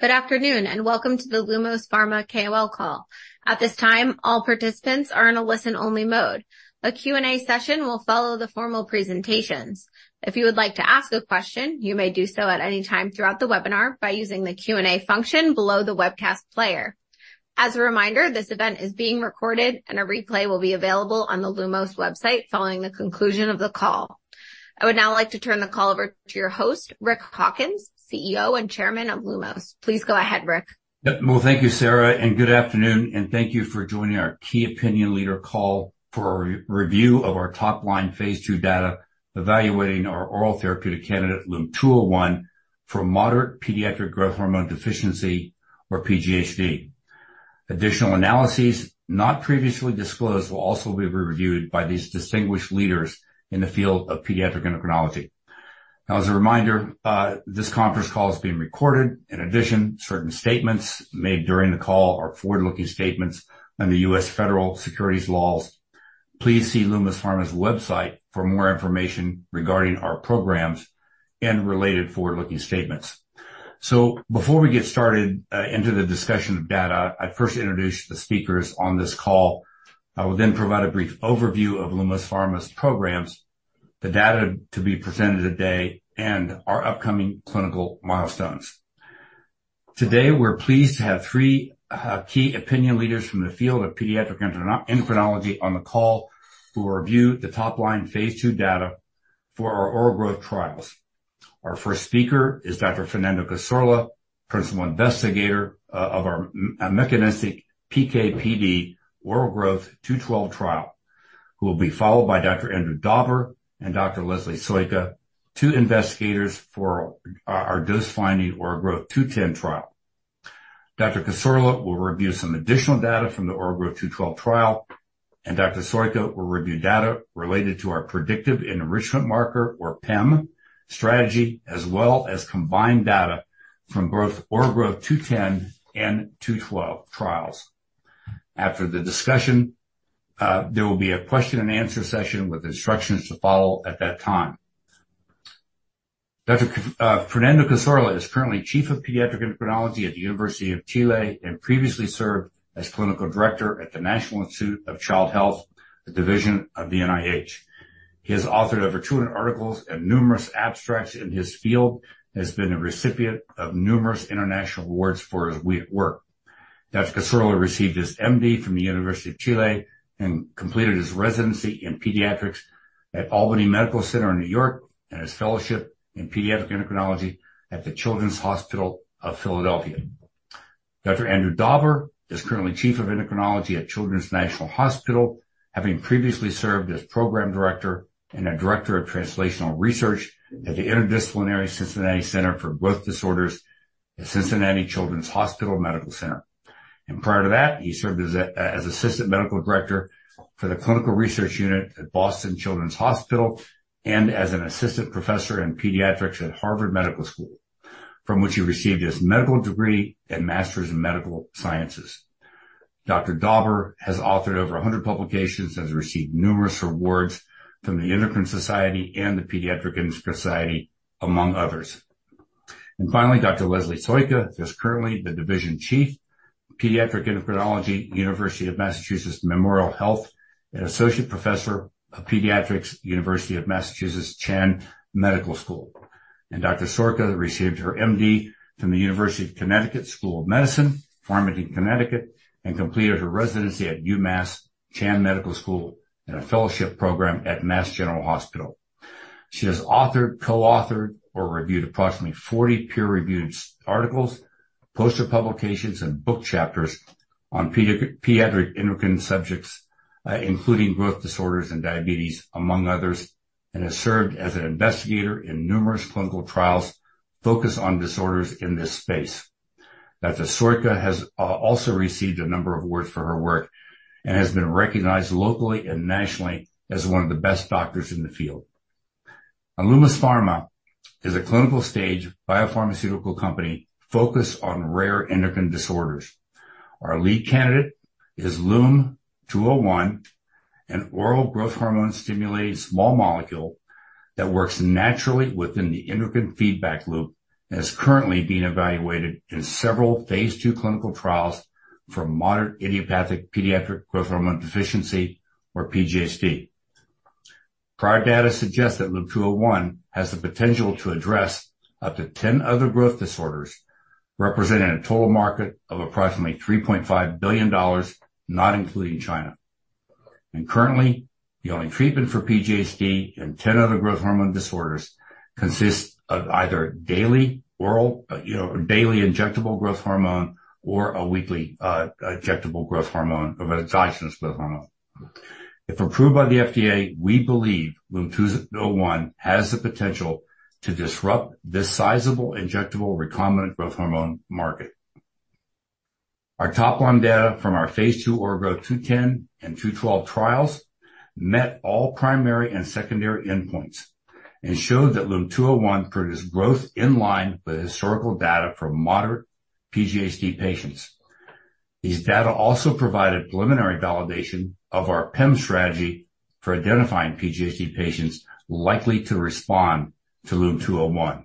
Good afternoon, and welcome to the Lumos Pharma KOL call. At this time, all participants are in a listen-only mode. A Q&A session will follow the formal presentations. If you would like to ask a question, you may do so at any time throughout the webinar by using the Q&A function below the webcast player. As a reminder, this event is being recorded and a replay will be available on the Lumos website following the conclusion of the call. I would now like to turn the call over to your host, Rick Hawkins, CEO and Chairman of Lumos. Please go ahead, Rick. Yep. Well, thank you, Sarah, and good afternoon, and thank you for joining our key opinion leader call for a re-review of our top-line Phase 2 data evaluating our oral therapeutic candidate, LUM-201, for moderate pediatric growth hormone deficiency, or PGHD. Additional analyses not previously disclosed, will also be reviewed by these distinguished leaders in the field of pediatric endocrinology. Now, as a reminder, this conference call is being recorded. In addition, certain statements made during the call are forward-looking statements under U.S. federal securities laws. Please see Lumos Pharma's website for more information regarding our programs and related forward-looking statements. So before we get started into the discussion of data, I'll first introduce the speakers on this call. I will then provide a brief overview of Lumos Pharma's programs, the data to be presented today, and our upcoming clinical milestones. Today, we're pleased to have three key opinion leaders from the field of pediatric endocrinology on the call to review the top-line phase 2 data for our oral growth trials. Our first speaker is Dr. Fernando Cassorla, principal investigator of our mechanistic PK/PD OraGrowtH 212 trial, who will be followed by Dr. Andrew Dauber and Dr. Leslie Soyka, two investigators for our dose-finding OraGrowtH 210 trial. Dr. Cassorla will review some additional data from the OraGrowtH 212 trial, and Dr. Soyka will review data related to our predictive enrichment marker, or PEM strategy, as well as combined data from both OraGrowtH 210 and 212 trials. After the discussion, there will be a question and answer session with instructions to follow at that time. Dr. Fernando Cassorla is currently Chief of Pediatric Endocrinology at the University of Chile, and previously served as Clinical Director at the National Institute of Child Health, a division of the NIH. He has authored over 200 articles and numerous abstracts in his field and has been a recipient of numerous international awards for his work. Dr. Cassorla received his MD from the University of Chile and completed his residency in pediatrics at Albany Medical Center in New York, and his fellowship in pediatric endocrinology at the Children's Hospital of Philadelphia. Dr. Andrew Dauber is currently Chief of Endocrinology at Children's National Hospital, having previously served as Program Director and Director of Translational Research at the Interdisciplinary Cincinnati Center for Growth Disorders at Cincinnati Children's Hospital Medical Center. And prior to that, he served as, as Assistant Medical Director for the Clinical Research Unit at Boston Children's Hospital and as an assistant professor in pediatrics at Harvard Medical School, from which he received his medical degree and Master's in Medical Sciences. Dr. Dauber has authored over a hundred publications and has received numerous awards from the Endocrine Society and the Pediatric Endocrine Society, among others. And finally, Dr. Leslie Soyka is currently the Division Chief, Pediatric Endocrinology, University of Massachusetts Memorial Health, and Associate Professor of Pediatrics, University of Massachusetts Chan Medical School. And Dr. Soyka received her MD from the University of Connecticut School of Medicine, Farmington, Connecticut, and completed her residency at UMass Chan Medical School and a fellowship program at Mass General Hospital. She has authored, co-authored, or reviewed approximately 40 peer-reviewed articles, poster publications, and book chapters on pediatric endocrine subjects, including growth disorders and diabetes, among others, and has served as an investigator in numerous clinical trials focused on disorders in this space. Dr. Soyka has also received a number of awards for her work and has been recognized locally and nationally as one of the best doctors in the field. Lumos Pharma is a clinical-stage biopharmaceutical company focused on rare endocrine disorders. Our lead candidate is LUM-201, an oral growth hormone stimulator small molecule that works naturally within the endocrine feedback loop and is currently being evaluated in several phase two clinical trials for moderate idiopathic pediatric growth hormone deficiency, or PGHD. Prior data suggests that LUM-201 has the potential to address up to 10 other growth disorders, representing a total market of approximately $3.5 billion, not including China. Currently, the only treatment for PGHD and 10 other growth hormone disorders consists of either daily, oral, you know, daily injectable growth hormone or a weekly, injectable growth hormone, a recombinant growth hormone. If approved by the FDA, we believe LUM-201 has the potential to disrupt this sizable injectable recombinant growth hormone market. Our top-line data from our phase 2 OraGrowtH210 and OraGrowtH212 trials met all primary and secondary endpoints and showed that LUM-201 produced growth in line with the historical data from moderate PGHD patients.... These data also provided preliminary validation of our PEM strategy for identifying PGHD patients likely to respond to LUM-201.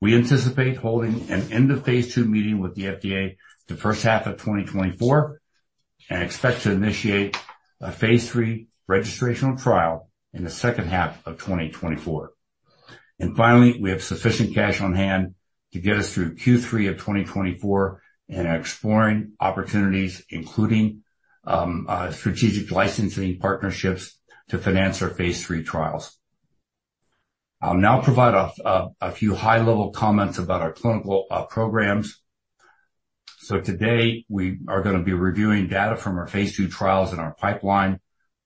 We anticipate holding an end-of-phase 2 meeting with the FDA the first half of 2024, and expect to initiate a phase 3 registrational trial in the second half of 2024. And finally, we have sufficient cash on hand to get us through Q3 of 2024 and are exploring opportunities, including strategic licensing partnerships to finance our phase 3 trials. I'll now provide a few high-level comments about our clinical programs. So today we are going to be reviewing data from our phase 2 trials in our pipeline,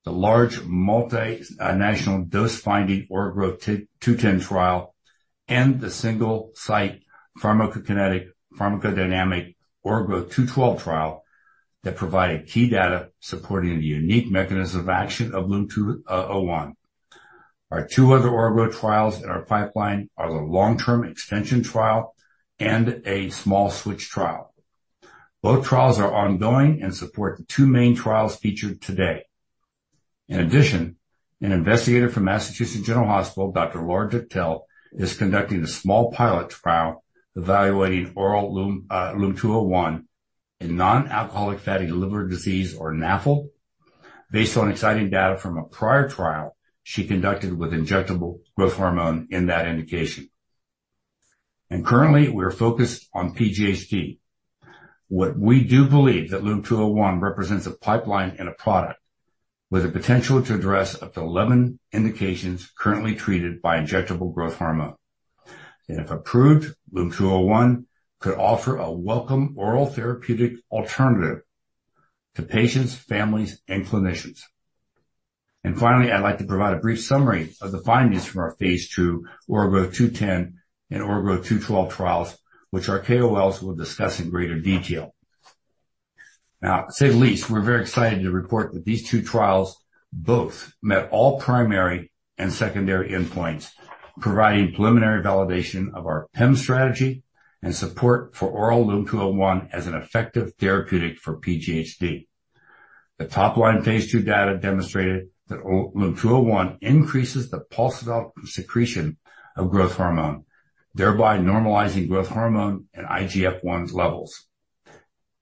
the large multinational dose-finding OraGrowtH210 trial, and the single-site pharmacokinetic pharmacodynamic OraGrowtH212 trial that provided key data supporting the unique mechanism of action of LUM-201. Our two other OraGrowtH trials in our pipeline are the long-term extension trial and a small switch trial. Both trials are ongoing and support the two main trials featured today. In addition, an investigator from Massachusetts General Hospital, Dr. Laura Dichtel, is conducting a small pilot trial evaluating oral LUM-201 in non-alcoholic fatty liver disease or NAFLD, based on exciting data from a prior trial she conducted with injectable growth hormone in that indication. Currently, we are focused on PGHD. What we do believe that LUM-201 represents a pipeline and a product with a potential to address up to 11 indications currently treated by injectable growth hormone. If approved, LUM-201 could offer a welcome oral therapeutic alternative to patients, families, and clinicians. Finally, I'd like to provide a brief summary of the findings from our phase 2 OraGrowtH210 and OraGrowtH212 trials, which our KOLs will discuss in greater detail. Now, to say the least, we're very excited to report that these two trials both met all primary and secondary endpoints, providing preliminary validation of our PEM strategy and support for oral LUM-201 as an effective therapeutic for PGHD. The top-line phase two data demonstrated that LUM-201 increases the pulse secretion of growth hormone, thereby normalizing growth hormone and IGF-1 levels.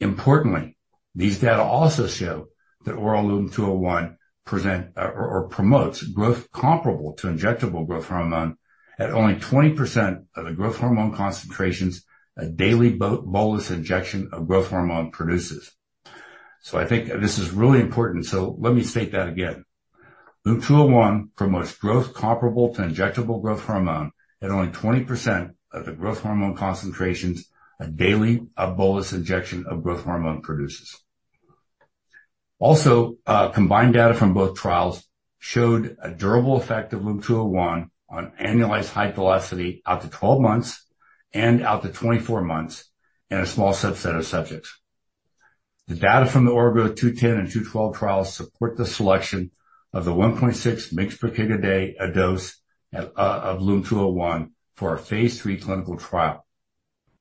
Importantly, these data also show that oral LUM-201 promotes growth comparable to injectable growth hormone at only 20% of the growth hormone concentrations, a daily bolus injection of growth hormone produces. So I think this is really important. So let me state that again. LUM-201 promotes growth comparable to injectable growth hormone at only 20% of the growth hormone concentrations, a daily bolus injection of growth hormone produces. Also, combined data from both trials showed a durable effect of LUM-201 on annualized height velocity out to 12 months and out to 24 months in a small subset of subjects. The data from the OraGrowtH210 and 212 trials support the selection of the 1.6 mg/kg/day dose of LUM-201 for our phase 3 clinical trial.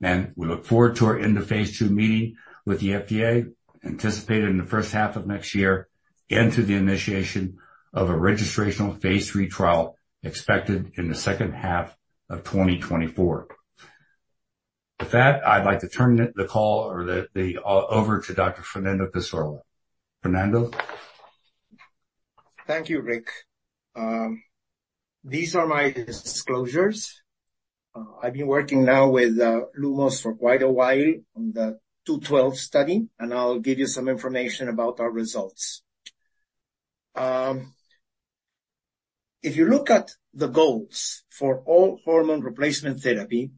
And we look forward to our end-of-phase 2 meeting with the FDA, anticipated in the first half of next year, and to the initiation of a registrational phase 3 trial expected in the secod half of 2024. With that, I'd like to turn the call over to Dr. Fernando Cassorla. Fernando? Thank you, Rick. These are my disclosures. I've been working now with Lumos for quite a while on the 212 study, and I'll give you some information about our results. If you look at the goals for all hormone replacement therapy,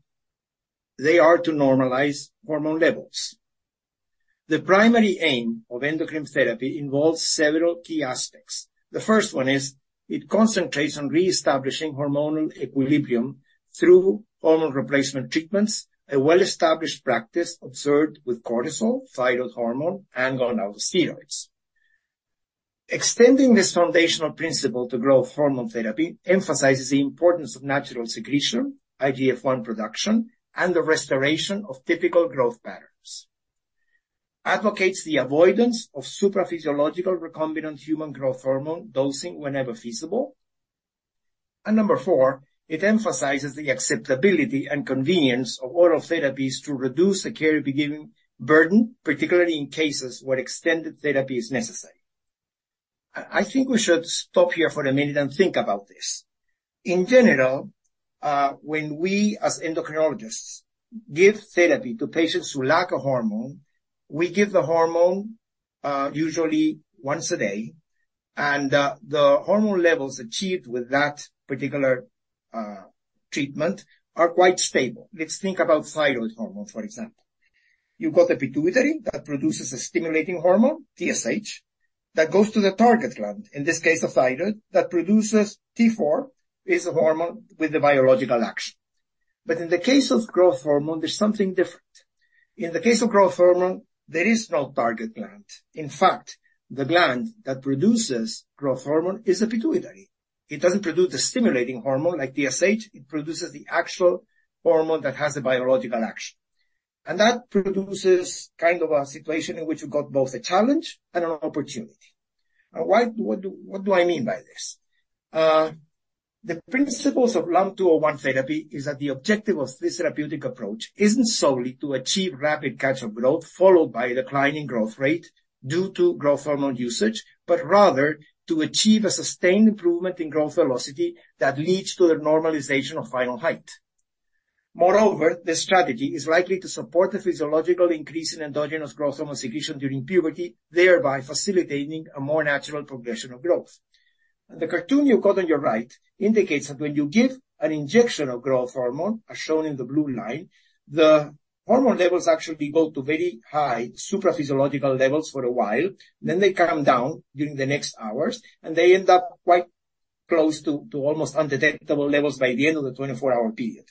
they are to normalize hormone levels. The primary aim of endocrine therapy involves several key aspects. The first one is it concentrates on reestablishing hormonal equilibrium through hormone replacement treatments, a well-established practice observed with cortisol, thyroid hormone, and gonadotropins. Extending this foundational principle to growth hormone therapy emphasizes the importance of natural secretion, IGF-1 production, and the restoration of typical growth patterns. Advocates the avoidance of supraphysiological recombinant human growth hormone dosing whenever feasible. And number four, it emphasizes the acceptability and convenience of oral therapies to reduce the caregiving burden, particularly in cases where extended therapy is necessary. I think we should stop here for a minute and think about this. In general, when we, as endocrinologists, give therapy to patients who lack a hormone, we give the hormone, usually once a day, and, the hormone levels achieved with that particular, treatment are quite stable. Let's think about thyroid hormone, for example. You've got the pituitary that produces a stimulating hormone, TSH, that goes to the target gland, in this case, the thyroid, that produces T4, is a hormone with a biological action. But in the case of growth hormone, there's something different. In the case of growth hormone, there is no target gland. In fact, the gland that produces growth hormone is the pituitary.... It doesn't produce the stimulating hormone like TSH, it produces the actual hormone that has a biological action. That produces kind of a situation in which you've got both a challenge and an opportunity. Now, what do I mean by this? The principles of LUM-201 therapy is that the objective of this therapeutic approach isn't solely to achieve rapid catch-up growth, followed by a decline in growth rate due to growth hormone usage, but rather to achieve a sustained improvement in growth velocity that leads to the normalization of final height. Moreover, this strategy is likely to support the physiological increase in endogenous growth hormone secretion during puberty, thereby facilitating a more natural progression of growth. The cartoon you've got on your right indicates that when you give an injection of growth hormone, as shown in the blue line, the hormone levels actually go to very high supraphysiological levels for a while, then they come down during the next hours, and they end up quite close to, to almost undetectable levels by the end of the 24-hour period.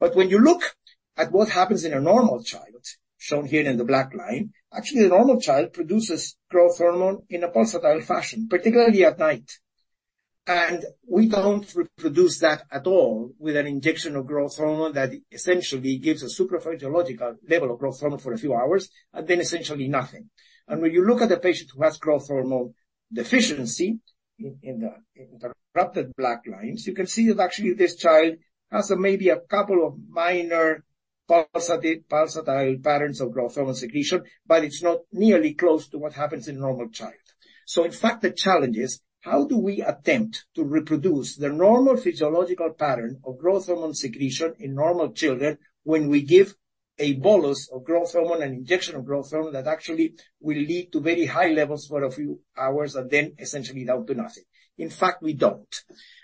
But when you look at what happens in a normal child, shown here in the black line, actually, a normal child produces growth hormone in a pulsatile fashion, particularly at night. And we don't reproduce that at all with an injection of growth hormone that essentially gives a supraphysiological level of growth hormone for a few hours and then essentially nothing. And when you look at a patient who has growth hormone deficiency, in the interrupted black lines, you can see that actually this child has maybe a couple of minor pulsatile patterns of growth hormone secretion, but it's not nearly close to what happens in a normal child. So in fact, the challenge is: How do we attempt to reproduce the normal physiological pattern of growth hormone secretion in normal children when we give a bolus of growth hormone, an injection of growth hormone, that actually will lead to very high levels for a few hours and then essentially down to nothing? In fact, we don't.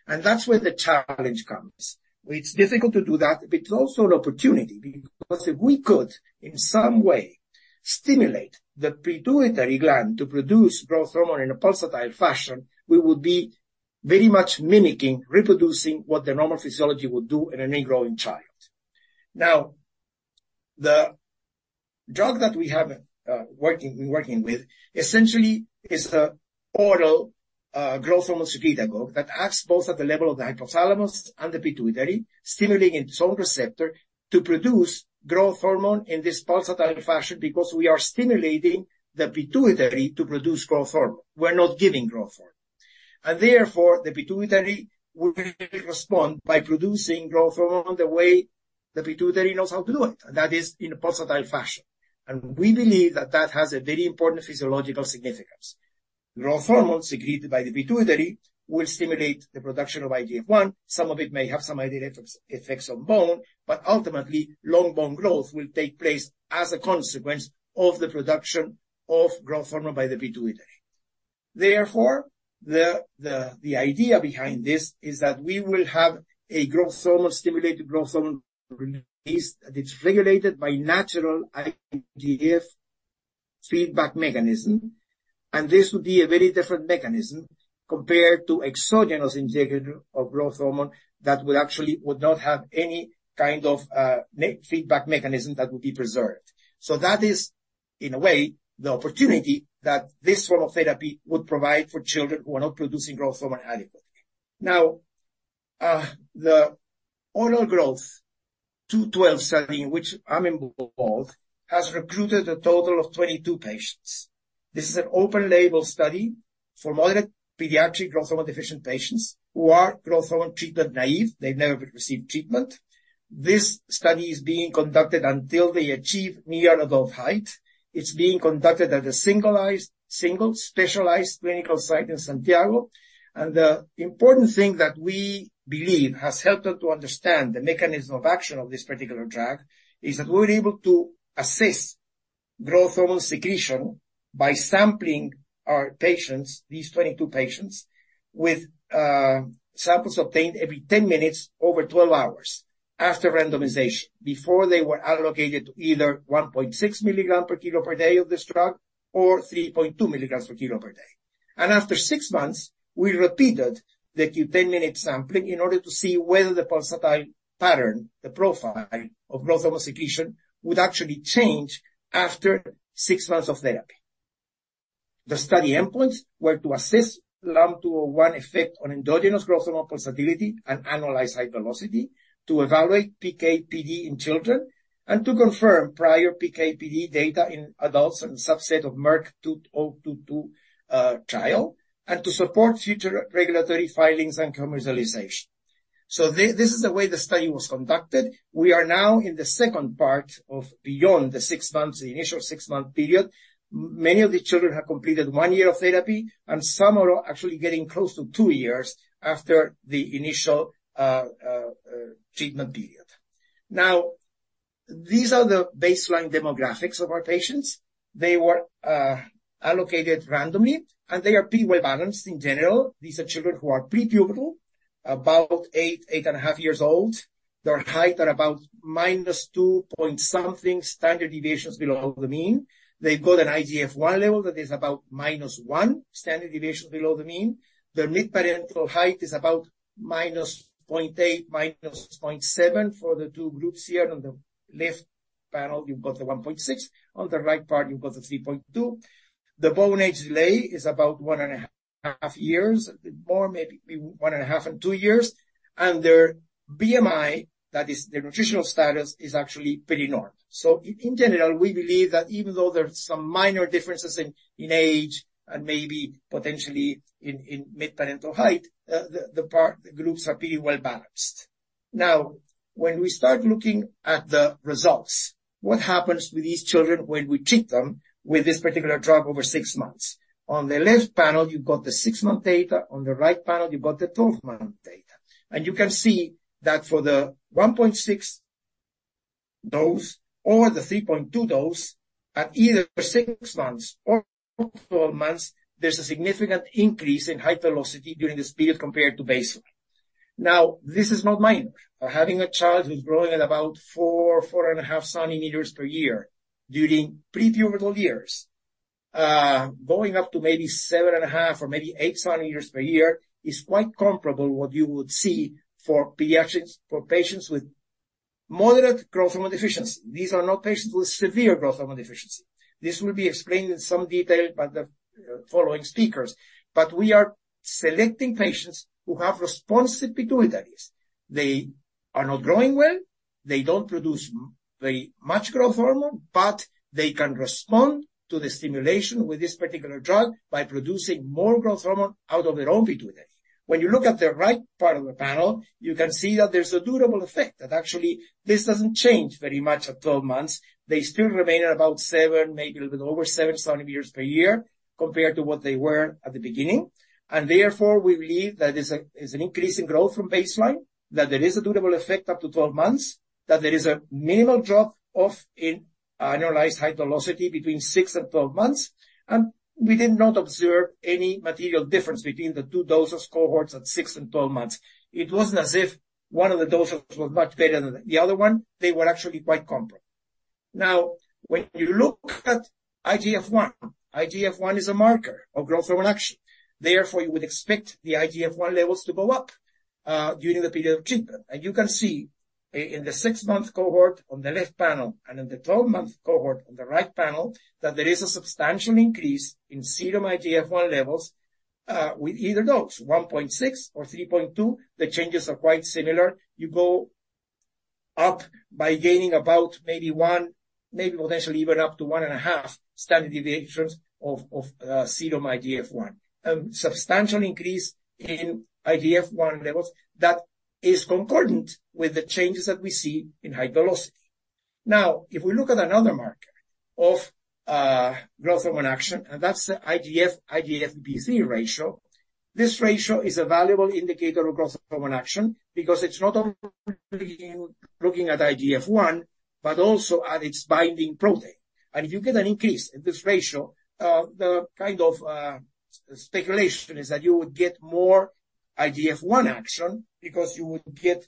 That's where the challenge comes. It's difficult to do that, but it's also an opportunity, because if we could, in some way, stimulate the pituitary gland to produce growth hormone in a pulsatile fashion, we would be very much mimicking, reproducing what the normal physiology would do in any growing child. Now, the drug that we have, been working with essentially is an oral growth hormone secretagogue that acts both at the level of the hypothalamus and the pituitary, stimulating its own receptor to produce growth hormone in this pulsatile fashion, because we are stimulating the pituitary to produce growth hormone. We're not giving growth hormone. And therefore, the pituitary will respond by producing growth hormone the way the pituitary knows how to do it, and that is in a pulsatile fashion. And we believe that that has a very important physiological significance. Growth hormone secreted by the pituitary will stimulate the production of IGF-1. Some of it may have some indirect effects on bone, but ultimately, long bone growth will take place as a consequence of the production of growth hormone by the pituitary. Therefore, the idea behind this is that we will have a growth hormone-stimulated growth hormone release that is regulated by natural IGF feedback mechanism, and this would be a very different mechanism compared to exogenous injection of growth hormone that will actually would not have any kind of feedback mechanism that would be preserved. So that is, in a way, the opportunity that this form of therapy would provide for children who are not producing growth hormone adequately. Now, the OraGrowtH212 study, in which I'm involved, has recruited a total of 22 patients. This is an open-label study for moderate pediatric growth hormone-deficient patients who are growth hormone treatment naive. They've never received treatment. This study is being conducted until they achieve near adult height. It's being conducted at a single-site, single specialized clinical site in Santiago, and the important thing that we believe has helped us to understand the mechanism of action of this particular drug is that we're able to assess growth hormone secretion by sampling our patients, these 22 patients, with samples obtained every 10 minutes over 12 hours after randomization, before they were allocated to either 1.6 milligram per kilo per day of this drug or 3.2 milligrams per kilo per day. And after six months, we repeated the 10-minute sampling in order to see whether the pulsatile pattern, the profile of growth hormone secretion, would actually change after six months of therapy. The study endpoints were to assess LUM-201 effect on endogenous growth hormone pulsatility and analyze height velocity, to evaluate PK/PD in children, and to confirm prior PK/PD data in adults and subset of Merck 022 trial, and to support future regulatory filings and commercialization. So this is the way the study was conducted. We are now in the second part of beyond the 6 months, the initial 6-month period. Many of the children have completed 1 year of therapy, and some are actually getting close to 2 years after the initial treatment period. Now, these are the baseline demographics of our patients. They were allocated randomly, and they are pretty well-balanced in general. These are children who are prepubertal, about 8, 8.5 years old. Their height are about minus 2 point something standard deviations below the mean. They've got an IGF-1 level that is about -1 standard deviation below the mean. Their mid-parental height is about -0.8, -0.7 for the two groups here on the left panel, you've got the 1.6. On the right part, you've got the 3.2. The bone age delay is about 1.5 years, more maybe 1.5-2 years, and their BMI, that is their nutritional status, is actually pretty normal. So in general, we believe that even though there are some minor differences in age and maybe potentially in mid-parental height, the groups are pretty well-balanced. Now, when we start looking at the results, what happens with these children when we treat them with this particular drug over six months? On the left panel, you've got the 6-month data. On the right panel, you've got the 12-month data. You can see that for the 1.6 dose or the 3.2 dose, at either 6 months or 12 months, there's a significant increase in height velocity during this period compared to baseline. Now, this is not minor. Having a child who's growing at about 4, 4.5 centimeters per year during prepubertal years, going up to maybe 7.5 or maybe 8 centimeters per year, is quite comparable what you would see for pediatrics, for patients with moderate growth hormone deficiency. These are not patients with severe growth hormone deficiency. This will be explained in some detail by the following speakers. But we are selecting patients who have responsive pituitaries. They are not growing well, they don't produce very much growth hormone, but they can respond to the stimulation with this particular drug by producing more growth hormone out of their own pituitary. When you look at the right part of the panel, you can see that there's a durable effect, that actually this doesn't change very much at 12 months. They still remain at about 7, maybe a little bit over 7 centimeters per year, compared to what they were at the beginning. Therefore, we believe that there's an increase in growth from baseline, that there is a durable effect up to 12 months, that there is a minimal drop-off in annualized height velocity between 6 and 12 months, and we did not observe any material difference between the two doses cohorts at 6 and 12 months. It wasn't as if one of the doses was much better than the other one; they were actually quite comparable. Now, when you look at IGF-1, IGF-1 is a marker of growth hormone action. Therefore, you would expect the IGF-1 levels to go up during the period of treatment. You can see in the 6-month cohort on the left panel and in the 12-month cohort on the right panel, that there is a substantial increase in serum IGF-1 levels with either dose, 1.6 or 3.2. The changes are quite similar. You go up by gaining about maybe one, maybe potentially even up to one and a half standard deviations of serum IGF-1. A substantial increase in IGF-1 levels that is concordant with the changes that we see in height velocity. Now, if we look at another marker of growth hormone action, and that's the IGF, IGFBP ratio. This ratio is a valuable indicator of growth hormone action because it's not only looking at IGF-I, but also at its binding protein. And if you get an increase in this ratio, the kind of speculation is that you would get more IGF-I action because you would get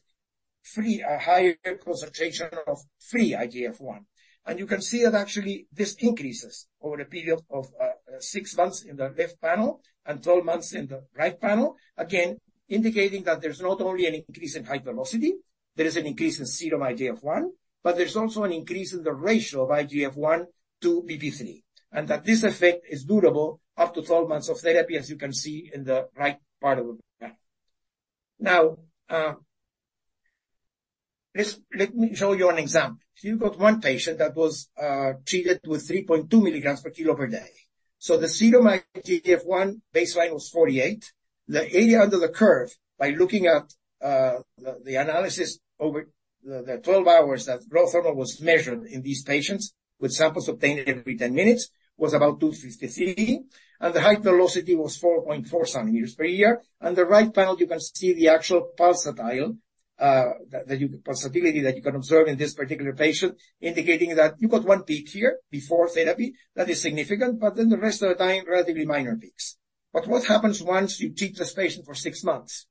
free, a higher concentration of free IGF-I. You can see that actually this increases over a period of 6 months in the left panel and 12 months in the right panel, again, indicating that there's not only an increase in height velocity, there is an increase in serum IGF-I, but there's also an increase in the ratio of IGF-I to BP3, and that this effect is durable up to 12 months of therapy, as you can see in the right part of the panel. Now, let me show you an example. So you've got one patient that was treated with 3.2 milligrams per kilo per day. So the serum IGF-I baseline was 48. The area under the curve by looking at the analysis over the 12 hours that growth hormone was measured in these patients with samples obtained every 10 minutes, was about 253, and the height velocity was 4.4 centimeters per year. On the right panel, you can see the actual pulsatility that you can observe in this particular patient, indicating that you got one peak here before therapy that is significant, but then the rest of the time, relatively minor peaks. But what happens once you treat this patient for 6 months?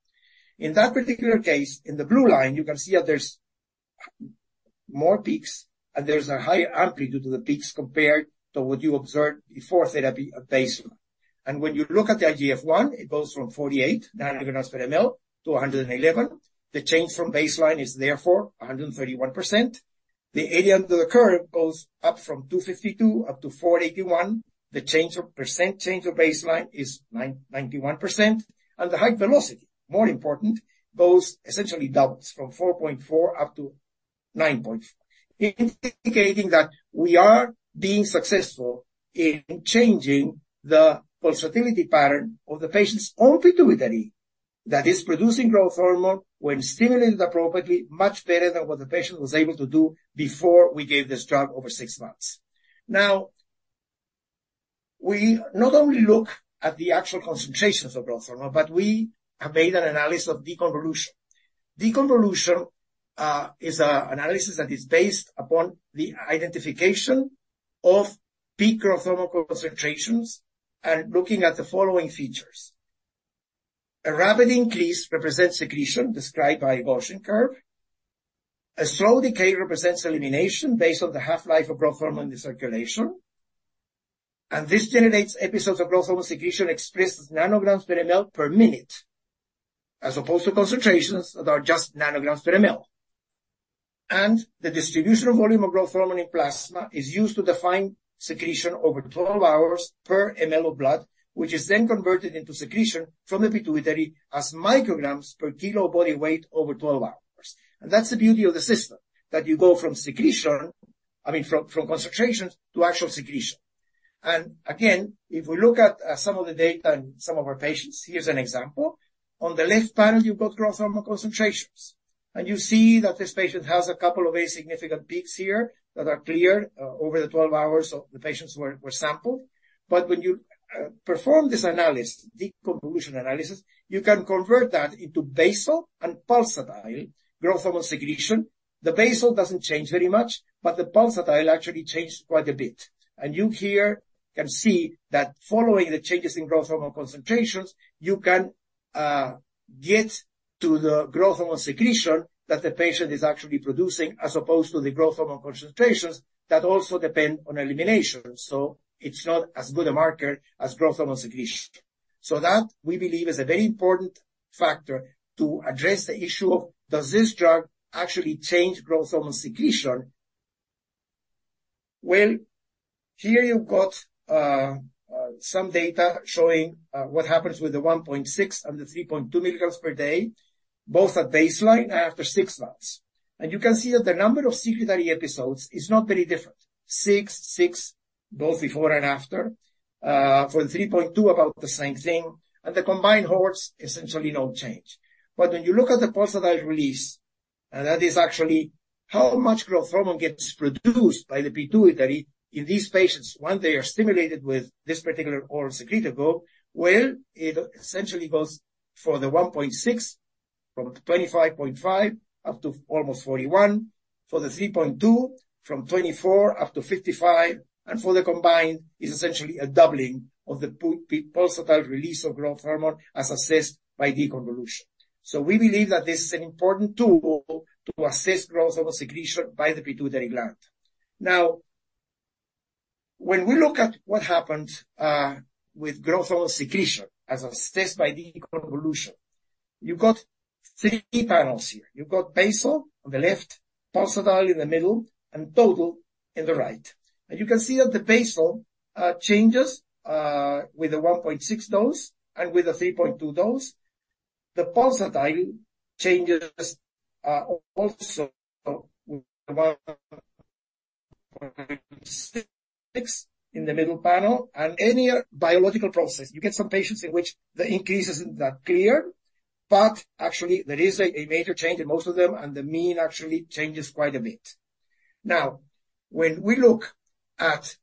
In that particular case, in the blue line, you can see that there's more peaks, and there's a higher amplitude to the peaks compared to what you observed before therapy at baseline. And when you look at the IGF-1, it goes from 48 ng/mL to 111 ng/mL. The change from baseline is therefore 131%. The area under the curve goes up from 252 up to 481. The change of, percent change of baseline is 91%, and the height velocity, more important, goes, essentially doubles from 4.4 up to 9.4, indicating that we are being successful in changing the pulsatility pattern of the patient's own pituitary that is producing growth hormone when stimulated appropriately, much better than what the patient was able to do before we gave this drug over six months. Now, we not only look at the actual concentrations of growth hormone, but we have made an analysis of deconvolution. Deconvolution is an analysis that is based upon the identification of peak growth hormone concentrations and looking at the following features. A rapid increase represents secretion described by a washing curve. A slow decay represents elimination based on the half-life of growth hormone in the circulation... and this generates episodes of growth hormone secretion expressed as naograms per ml per minute, as opposed to concentrations that are just nanograms per ml. And the distribution of volume of growth hormone in plasma is used to define secretion over 12 hours per ml of blood, which is then converted into secretion from the pituitary as micrograms per kilo of body weight over 12 hours. And that's the beauty of the system, that you go from secretion, I mean, from concentrations to actual secretion. Again, if we look at some of the data in some of our patients, here's an example. On the left panel, you've got growth hormone concentrations, and you see that this patient has a couple of very significant peaks here that are clear over the 12 hours of the patients were sampled. But when you perform this analysis, deconvolution analysis, you can convert that into basal and pulsatile growth hormone secretion. The basal doesn't change very much, but the pulsatile actually changes quite a bit. You here can see that following the changes in growth hormone concentrations, you can get to the growth hormone secretion that the patient is actually producing, as opposed to the growth hormone concentrations that also depend on elimination. So it's not as good a marker as growth hormon e secretion. So that, we believe, is a very important factor to address the issue of, does this drug actually change growth hormone secretion? Well, here you've got some data showing what happens with the 1.6 and the 3.2 milligrams per day, both at baseline and after 6 months. And you can see that the number of secretory episodes is not very different. 6, 6, both before and after. For the 3.2, about the same thing, and the combined cohorts, essentially no change. But when you look at the pulsatile release, and that is actually how much growth hormone gets produced by the pituitary in these patients once they are stimulated with this particular oral secretagogue, well, it essentially goes for the 1.6, from 25.5 up to almost 41. For the 3.2, from 24 up to 55, and for the combined, it's essentially a doubling of the pulsatile release of growth hormone as assessed by deconvolution. So we believe that this is an important tool to assess growth hormone secretion by the pituitary gland. Now, when we look at what happened with growth hormone secretion, as assessed by deconvolution, you've got three panels here. You've got basal on the left, pulsatile in the middle, and total on the right. And you can see that the basal changes with the 1.6 dose and with the 3.2 dose. The pulsatile changes also about 6 in the middle panel and any biological process. You get some patients in which the increase isn't that clear, but actually there is a major change in most of them, and the mean actually changes quite a bit. Now, when we look at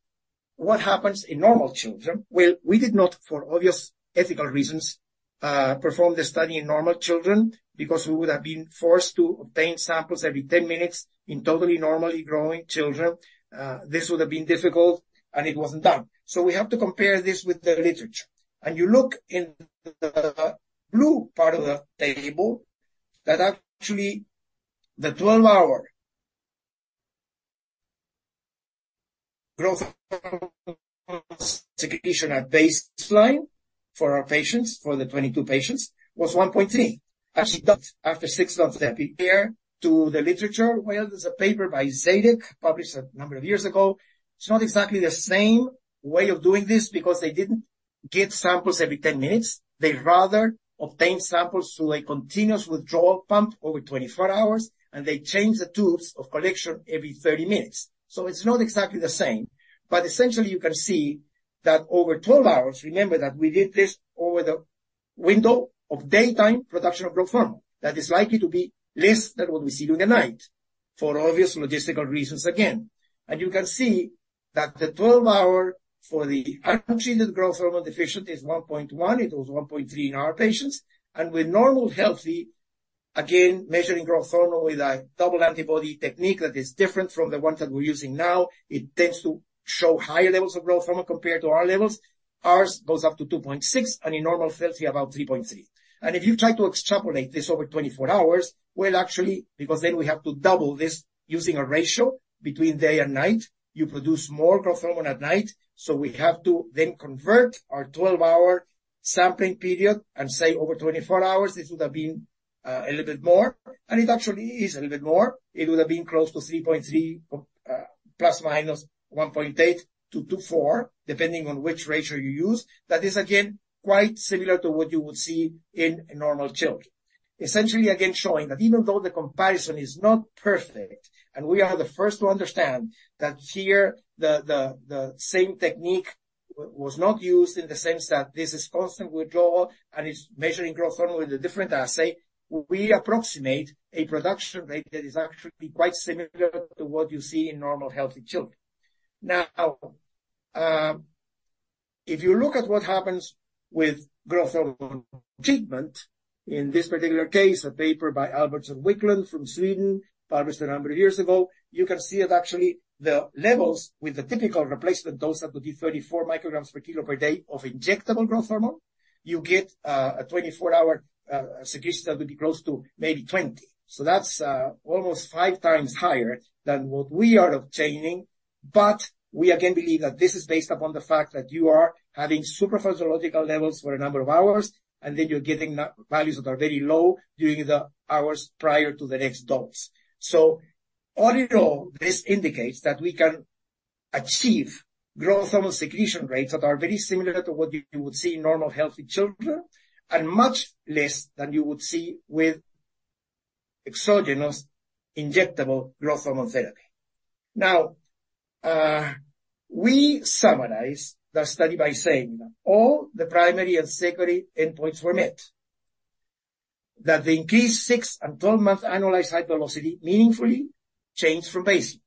what happens in normal children... Well, we did not, for obvious ethical reasons, perform the study in normal children because we would have been forced to obtain samples every 10 minutes in totally normally growing children. This would have been difficult, and it wasn't done. So we have to compare this with the literature. And you look in the blue part of the table, that actually the 12-hour growth hormone secretion at baseline for our patients, for the 22 patients, was 1.3. Actually, that's after 6 months compared to the literature. Well, there's a paper by Zadik, published a number of years ago. It's not exactly the same way of doing this because they didn't get samples every 10 minutes. They rather obtained samples through a continuous withdrawal pump over 24 hours, and they changed the tubes of collection every 30 minutes. So it's not exactly the same, but essentially, you can see that over 12 hours, remember that we did this over the window of daytime production of growth hormone. That is likely to be less than what we see during the night, for obvious logistical reasons again. And you can see that the 12-hour for the untreated growth hormone deficient is 1.1. It was 1.3 in our patients. And with normal, healthy, again, measuring growth hormone with a double antibody technique that is different from the one that we're using now, it tends to show higher levels of growth hormone compared to our levels. Ours goes up to 2.6, and in normal, healthy, about 3.3. And if you try to extrapolate this over 24 hours, well, actually, because then we have to double this using a ratio between day and night, you produce more growth hormone at night. So we have to then convert our 12-hour sampling period and say over 24 hours, this would have been, a little bit more, and it actually is a little bit more. It would have been close to 3.3, ±1.8-2.4, depending on which ratio you use. That is again, quite similar to what you would see in a normal children. Essentially, again, showing that even though the comparison is not perfect, and we are the first to understand that here, the same technique was not used in the sense that this is constant withdrawal and is measuring growth hormone with a different assay, we approximate a production rate that is actually quite similar to what you see in normal, healthy children. Now, if you look at what happens with growth hormone treatment, in this particular case, a paper by Albertsson-Wiklund from Sweden, published a number of years ago, you can see that actually the levels with the typical replacement dose that would be 34 micrograms per kilo per day of injectable growth hormone, you get a 24-hour secretion that would be close to maybe 20. So that's almost five times higher than what we are obtaining-... But we again believe that this is based upon the fact that you are having supraphysiological levels for a number of hours, and then you're getting values that are very low during the hours prior to the next dose. So all in all, this indicates that we can achieve growth hormone secretion rates that are very similar to what you would see in normal, healthy children, and much less than you would see with exogenous injectable growth hormone therapy. Now, we summarized the study by saying that all the primary and secondary endpoints were met, that the increased 6- and 12-month annualized height velocity meaningfully changed from baseline.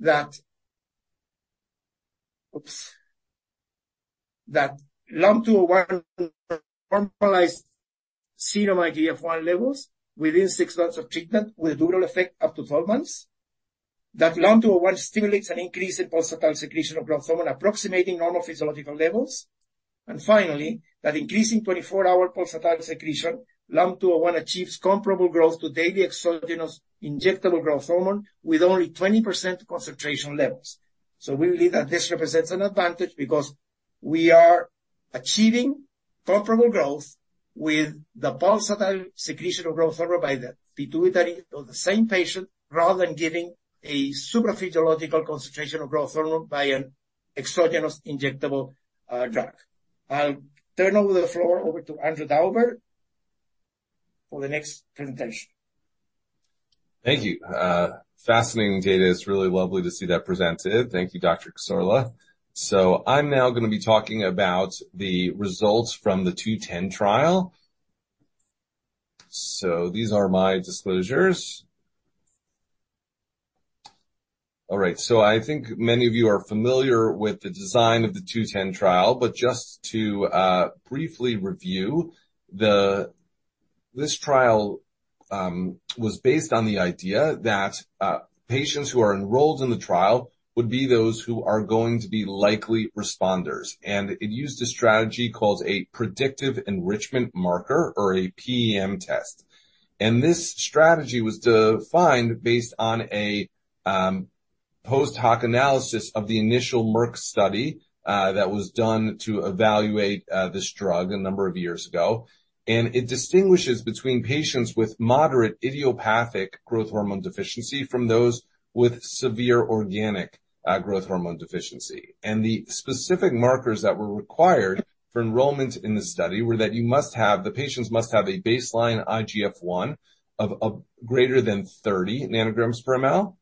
That LUM-201 normalized serum IGF-1 levels within 6 months of treatment, with a durable effect up to 12 months. That LUM-201 stimulates an increase in pulsatile secretion of growth hormone, approximating normal physiological levels. And finally, that increasing twenty-four-hour pulsatile secretion, LUM-201 achieves comparable growth to daily exogenous injectable growth hormone with only 20% concentration levels. So we believe that this represents an advantage because we are achieving comparable growth with the pulsatile secretion of growth hormone by the pituitary of the same patient, rather than giving a supraphysiological concentration of growth hormone by an exogenous injectable drug. I'll turn over the floor to Andrew Dauber for the next presentation. Thank you. Fascinating data. It's really lovely to see that presented. Thank you, Dr. Cassorla. So I'm now gonna be talking about the results from the 210 trial. So these are my disclosures. All right. So I think many of you are familiar with the design of the 210 trial, but just to briefly review, this trial was based on the idea that patients who are enrolled in the trial would be those who are going to be likely responders. And it used a strategy called a predictive enrichment marker, or a PEM test. And this strategy was defined based on a post-hoc analysis of the initial Merck study that was done to evaluate this drug a number of years ago. And it distinguishes between patients with moderate idiopathic growth hormone deficiency from those with severe organic growth hormone deficiency. And the specific markers that were required for enrollment in the study were that the patients must have a baseline IGF-1 of greater than 30 nanograms per ml.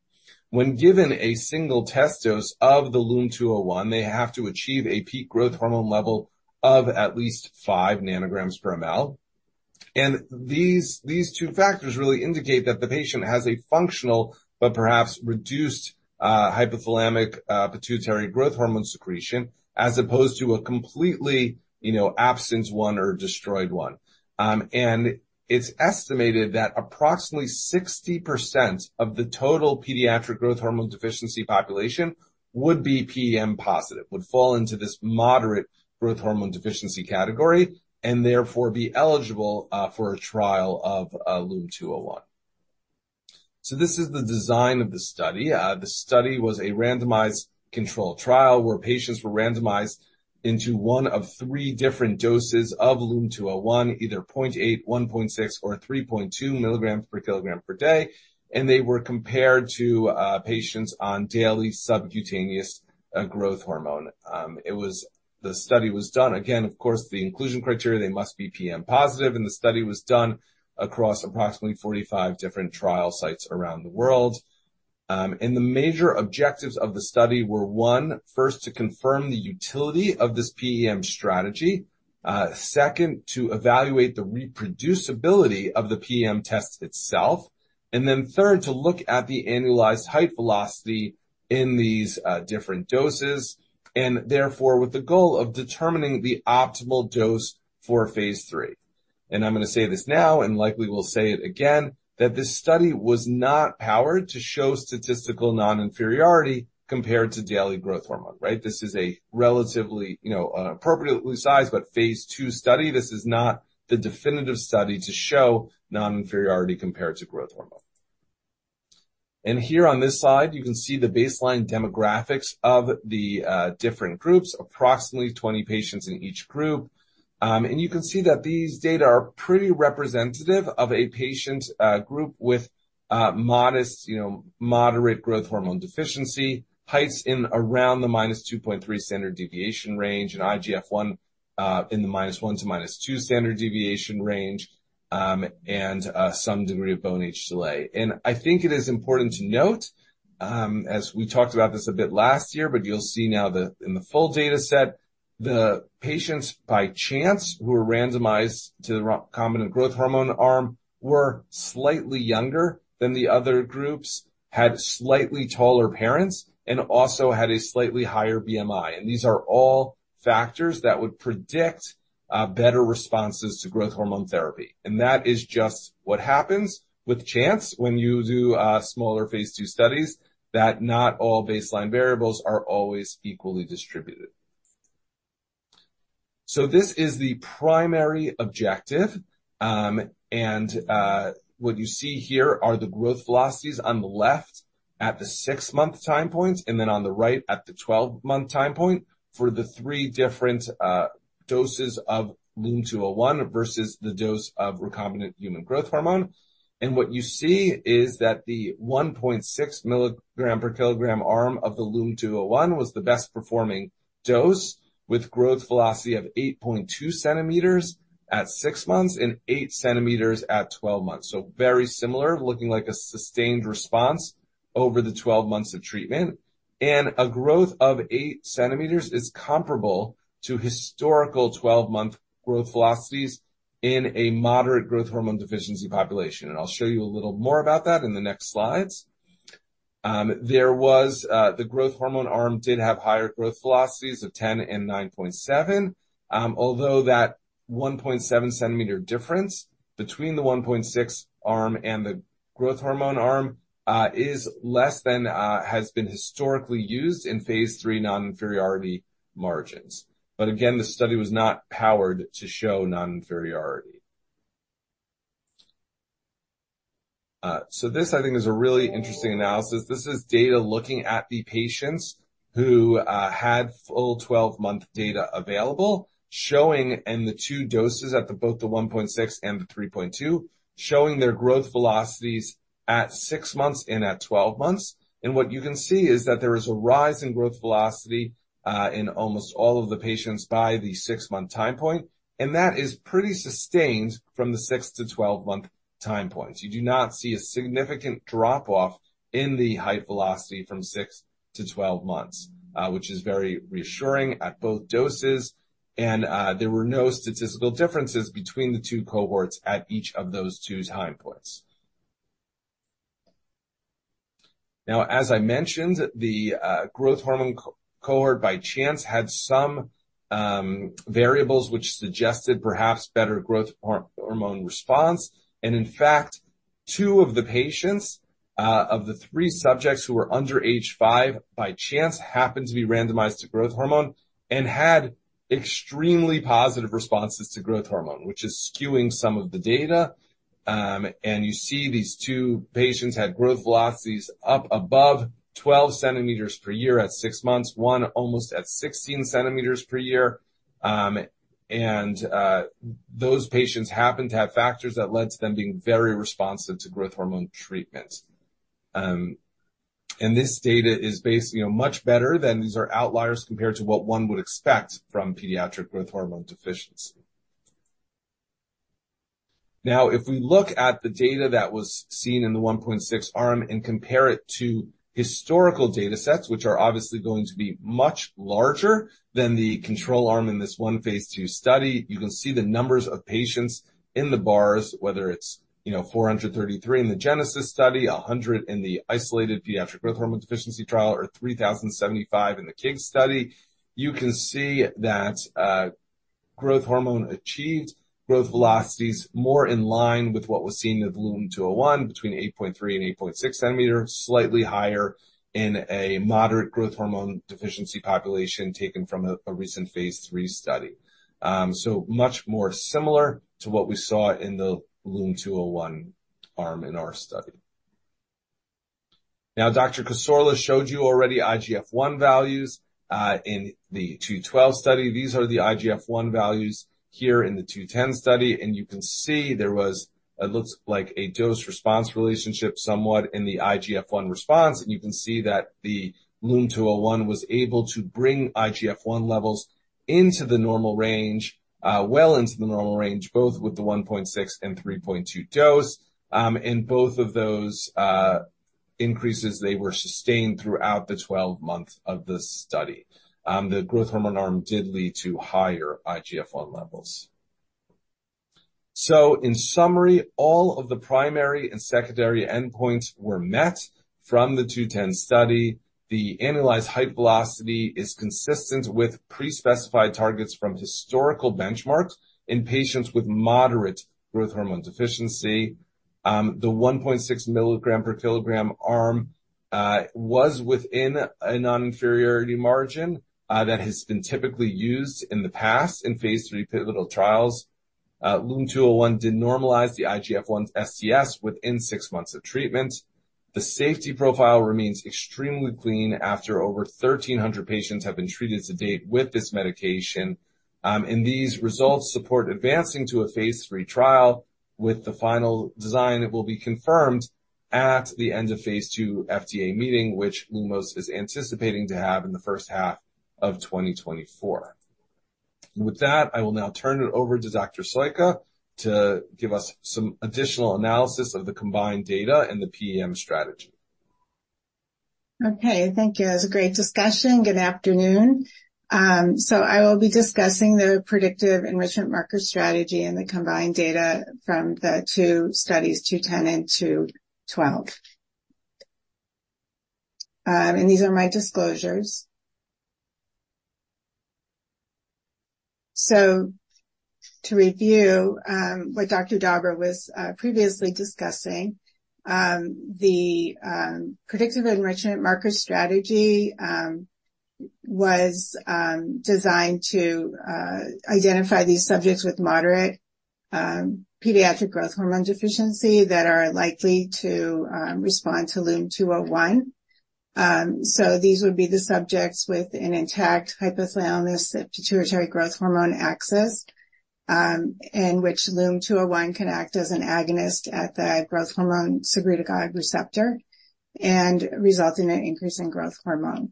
When given a single test dose of the LUM-201, they have to achieve a peak growth hormone level of at least 5 nanograms per ml. And these two factors really indicate that the patient has a functional but perhaps reduced hypothalamic pituitary growth hormone secretion, as opposed to a completely, you know, absent one or destroyed one. It's estimated that approximately 60% of the total pediatric growth hormone deficiency population would be PEM pulsatile, would fall into this moderate growth hormone deficiency category, and therefore be eligible for a trial of LUM-201. This is the design of the study. The study was a randomized control trial, where patients were randomized into one of three different doses of LUM-201, either 0.8, 1.6, or 3.2 milligrams per kilogram per day, and they were compared to patients on daily subcutaneous growth hormone. The study was done, again, of course, the inclusion criteria, they must be PEM pulsatile, and the study was done across approximately 45 different trial sites around the world. And the major objectives of the study were, one, first, to confirm the utility of this PEM strategy. Second, to evaluate the reproducibility of the PEM test itself, and then third, to look at the annualized height velocity in these different doses, and therefore, with the goal of determining the optimal dose for phase 3. I'm going to say this now, and likely will say it again, that this study was not powered to show statistical non-inferiority compared to daily growth hormone, right? This is a relatively, you know, appropriately sized, but phase 2 study. This is not the definitive study to show non-inferiority compared to growth hormone. And here on this side, you can see the baseline demographics of the different groups, approximately 20 patients in each group. And you can see that these data are pretty representative of a patient group with modest, you know, moderate growth hormone deficiency, heights in around the -2.3 standard deviation range, and IGF-1 in the -1 to -2 standard deviation range, and some degree of bone age delay. I think it is important to note, as we talked about this a bit last year, but you'll see now in the full data set, the patients, by chance, who were randomized to the recombinant growth hormone arm, were slightly younger than the other groups, had slightly taller parents, and also had a slightly higher BMI. And these are all factors that would predict better responses to growth hormone therapy. And that is just what happens with chance when you do smaller phase 2 studies, that not all baseline variables are always equally distributed. So this is the primary objective. What you see here are the growth velocities on the left at the 6-month time points, and then on the right at the 12-month time point for the three different doses of LUM-201 versus the dose of recombinant human growth hormone. And what you see is that the 1.6 milligram per kilogram arm of the LUM-201 was the best performing dose, with growth velocity of 8.2 centimeters at 6 months and 8 centimeters at 12 months. So very similar, looking like a sustained response over the 12 months of treatment. And a growth of 8 centimeters is comparable to historical 12-month growth velocities in a moderate growth hormone deficiency population. And I'll show you a little more about that in the next slides. There was... The growth hormone arm did have higher growth velocities of 10 and 9.7, although that 1.7 cm difference between the 1.6 arm and the growth hormone arm is less than has been historically used in phase 3 non-inferiority margins. But again, the study was not powered to show non-inferiority. So this, I think, is a really interesting analysis. This is data looking at the patients who had full 12-month data available, showing in the two doses at the both the 1.6 and the 3.2, showing their growth velocities at six months and at 12 months. And what you can see is that there is a rise in growth velocity in almost all of the patients by the six-month time point, and that is pretty sustained from the six to 12-month time points. You do not see a significant drop-off in the height velocity from six to 12 months, which is very reassuring at both doses, and there were no statistical differences between the two cohorts at each of those two time points. Now, as I mentioned, the growth hormone cohort, by chance, had some variables which suggested perhaps better growth hormone response. And in fact, two of the patients of the three subjects who were under age five, by chance, happened to be randomized to growth hormone and had extremely positive responses to growth hormone, which is skewing some of the data. And you see these two patients had growth velocities up above 12 centimeters per year at six months, one almost at 16 centimeters per year. Those patients happened to have factors that led to them being very responsive to growth hormone treatment. This data is based, you know, much better than these are outliers compared to what one would expect from pediatric growth hormone deficiency. Now, if we look at the data that was seen in the 1.6 arm and compare it to historical data sets, which are obviously going to be much larger than the control arm in this one phase 2 study, you can see the numbers of patients in the bars, whether it's, you know, 433 in the GENESIS study, 100 in the isolated pediatric growth hormone deficiency trial, or 3,075 in the KIGS study. You can see that growth hormone achieved growth velocities more in line with what was seen with LUM-201, between 8.3 and 8.6 centimeters, slightly higher in a moderate growth hormone deficiency population taken from a recent phase 3 study. So much more similar to what we saw in the LUM-201 arm in our study. Now, Dr. Cassorla showed you already IGF-1 values in the 212 study. These are the IGF-1 values here in the 210 study, and you can see there was, it looks like a dose-response relationship, somewhat in the IGF-1 response. And you can see that the LUM-201 was able to bring IGF-1 levels into the normal range, well into the normal range, both with the 1.6 and 3.2 dose. And both of those increases they were sustained throughout the 12 months of the study. The growth hormone arm did lead to higher IGF-1 levels. So in summary, all of the primary and secondary endpoints were met from the 210 study. The annualized height velocity is consistent with pre-specified targets from historical benchmarks in patients with moderate growth hormone deficiency. The 1.6 milligram per kilogram arm was within a non-inferiority margin that has been typically used in the past in phase 3 pivotal trials. LUM-201 did normalize the IGF-1 SDS within six months of treatment. The safety profile remains extremely clean after over 1,300 patients have been treated to date with this medication. These results support advancing to a phase 3 trial with the final design that will be confirmed at the end of phase 2 FDA meeting, which Lumos is anticipating to have in the first half of 2024. With that, I will now turn it over to Dr. Sawicka to give us some additional analysis of the combined data and the PEM strategy. Okay, thank you. That was a great discussion. Good afternoon. So I will be discussing the predictive enrichment marker strategy and the combined data from the two studies, 210 and 212. And these are my disclosures. To review, what Dr. Dauber was previously discussing, the predictive enrichment marker strategy was designed to identify these subjects with moderate pediatric growth hormone deficiency that are likely to respond to LUM-201. So these would be the subjects with an intact hypothalamus pituitary growth hormone axis, in which LUM-201 can act as an agonist at the growth hormone secretagogue receptor and result in an increase in growth hormone.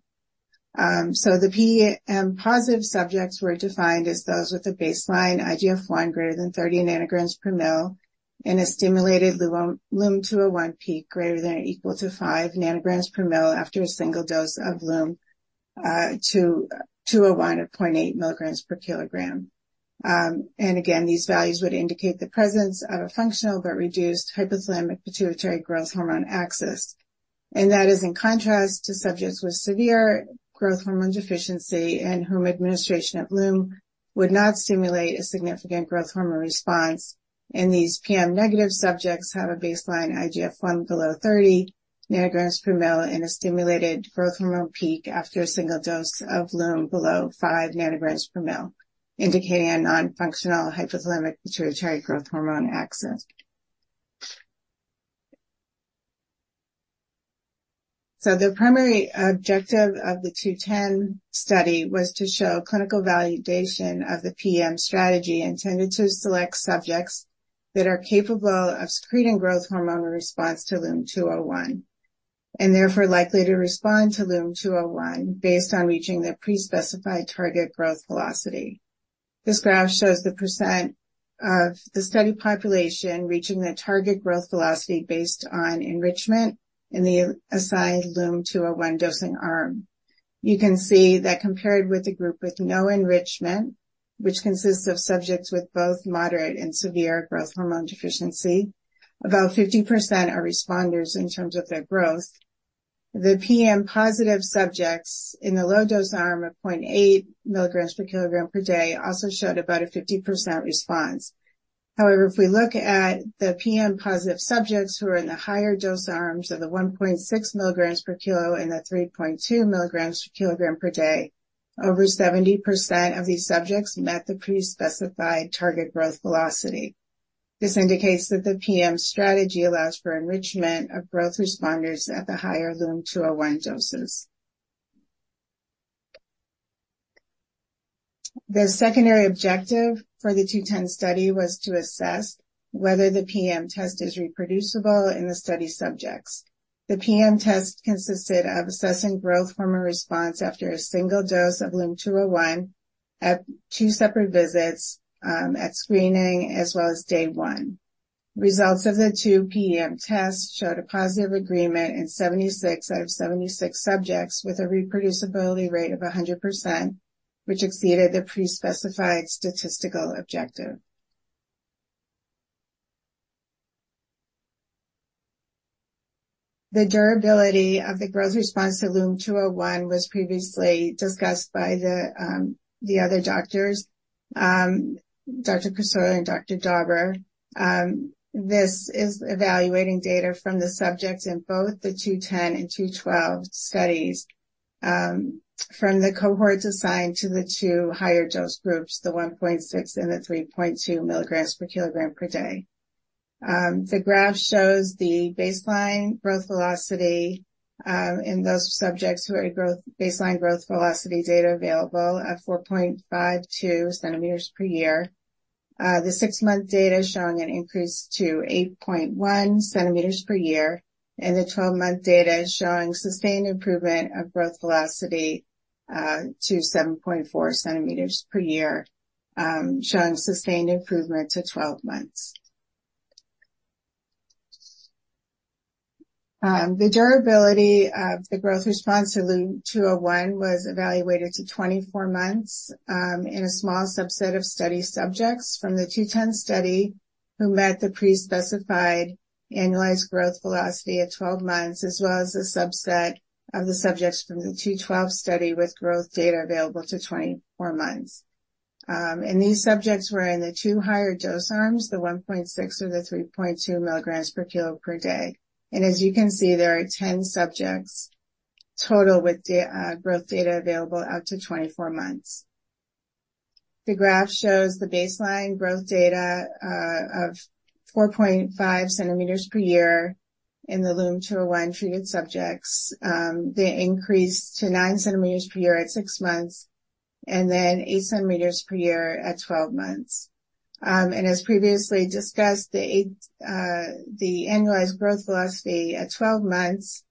So the PM positive subjects were defined as those with a baseline IGF-1 greater than 30 ng/mL and a stimulated LUM-201 peak greater than or equal to 5 ng/mL after a single dose of LUM-201 at 0.8 mg/kg. And again, these values would indicate the presence of a functional but reduced hypothalamic pituitary growth hormone axis. And that is in contrast to subjects with severe growth hormone deficiency and whom administration of LUM-201 would not stimulate a significant growth hormone response. And these PM-negative subjects have a baseline IGF-1 below 30 ng/mL and a stimulated growth hormone peak after a single dose of LUM-201 below 5 ng/mL, indicating a non-functional hypothalamic pituitary growth hormone axis. The primary objective of the OraGrowtH210 study was to show clinical validation of the PEM strategy, intended to select subjects that are capable of secreting growth hormone in response to LUM-201, and therefore likely to respond to LUM-201 based on reaching their pre-specified target growth velocity. This graph shows the % of the study population reaching their target growth velocity based on enrichment in the assigned LUM-201 dosing arm. You can see that compared with the group with no enrichment, which consists of subjects with both moderate and severe growth hormone deficiency, about 50% are responders in terms of their growth. The PEM-positive subjects in the low-dose arm of 0.8 milligrams per kilogram per day also showed about a 50% response. However, if we look at the PM-positive subjects who are in the higher dose arms of the 1.6 milligrams per kilo and the 3.2 milligrams per kilogram per day, over 70% of these subjects met the pre-specified target growth velocity. This indicates that the PM strategy allows for enrichment of growth responders at the higher LUM-201 doses. The secondary objective for the 210 study was to assess whether the PM test is reproducible in the study subjects. The PM test consisted of assessing growth hormone response after a single dose of LUM-201 at two separate visits, at screening as well as day one. Results of the two PM tests showed a positive agreement in 76 out of 76 subjects with a reproducibility rate of 100%, which exceeded the pre-specified statistical objective. The durability of the growth response to LUM-201 was previously discussed by the other doctors, Dr. Cassorla and Dr. Dauber. This is evaluating data from the subjects in both the 210 and 212 studies, from the cohorts assigned to the two higher dose groups, the 1.6 and 3.2 milligrams per kilogram per day. The graph shows the baseline growth velocity in those subjects who had baseline growth velocity data available at 4.52 centimeters per year. The six-month data is showing an increase to 8.1 centimeters per year, and the twelve-month data is showing sustained improvement of growth velocity to 7.4 centimeters per year, showing sustained improvement to 12 months. The durability of the growth response to LUM-201 was evaluated to 24 months in a small subset of study subjects from the 210 study, who met the pre-specified annualized growth velocity at 12 months, as well as a subset of the subjects from the 212 study, with growth data available to 24 months. These subjects were in the two higher dose arms, the 1.6 or the 3.2 milligrams per kilo per day. And as you can see, there are 10 subjects total with growth data available up to 24 months. The graph shows the baseline growth data of 4.5 centimeters per year in the LUM-201-treated subjects. They increased to 9 centimeters per year at 6 months and then 8 centimeters per year at 12 months. As previously discussed, the eight... The annualized growth velocity at 12 months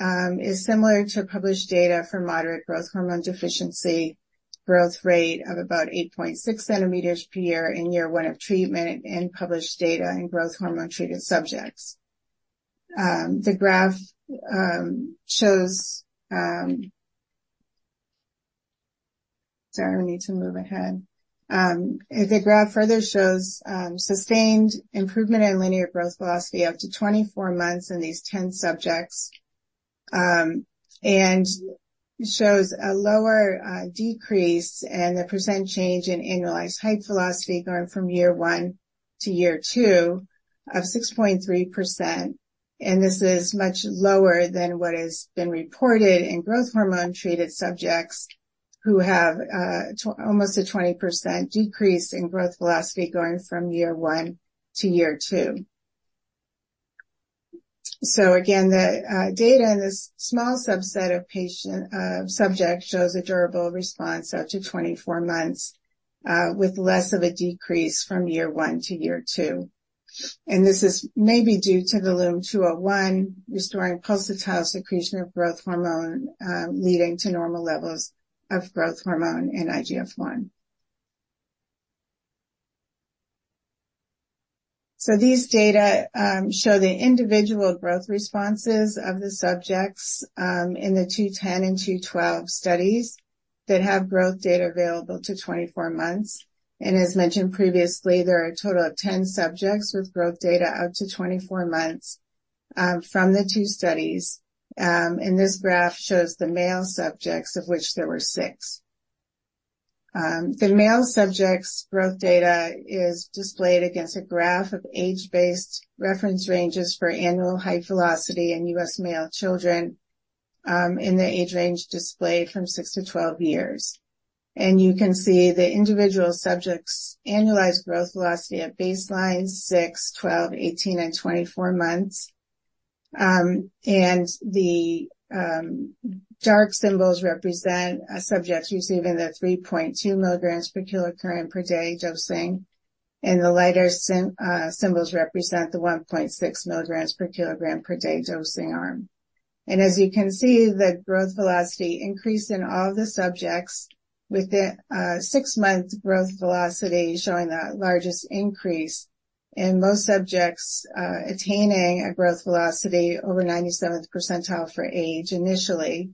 is similar to published data for moderate growth hormone deficiency, growth rate of about 8.6 centimeters per year in year 1 of treatment and published data in growth hormone-treated subjects. The graph shows... Sorry, I need to move ahead. The graph further shows sustained improvement in linear growth velocity up to 24 months in these 10 subjects and shows a lower decrease in the % change in annualized height velocity going from year 1 to year 2 of 6.3%. And this is much lower than what has been reported in growth hormone-treated subjects who have almost a 20% decrease in growth velocity going from year 1 to year 2. So again, the data in this small subset of patient subjects shows a durable response out to 24 months, with less of a decrease from year 1 to year 2. And this is maybe due to the LUM-201 restoring pulsatile secretion of growth hormone, leading to normal levels of growth hormone and IGF-1. So these data show the individual growth responses of the subjects in the 210 and 212 studies that have growth data available to 24 months. And as mentioned previously, there are a total of 10 subjects with growth data out to 24 months from the two studies. And this graph shows the male subjects, of which there were 6. The male subjects' growth data is displayed against a graph of age-based reference ranges for annual height velocity in U.S. male children, in the age range displayed from 6 to 12 years. And you can see the individual subjects' annualized growth velocity at baseline 6, 12, 18, and 24 months. And the dark symbols represent a subject receiving the 3.2 milligrams per kilogram per day dosing, and the lighter symbols represent the 1.6 milligrams per kilogram per day dosing arm. And as you can see, the growth velocity increased in all the subjects within six months, growth velocity showing the largest increase, and most subjects attaining a growth velocity over 97th percentile for age initially,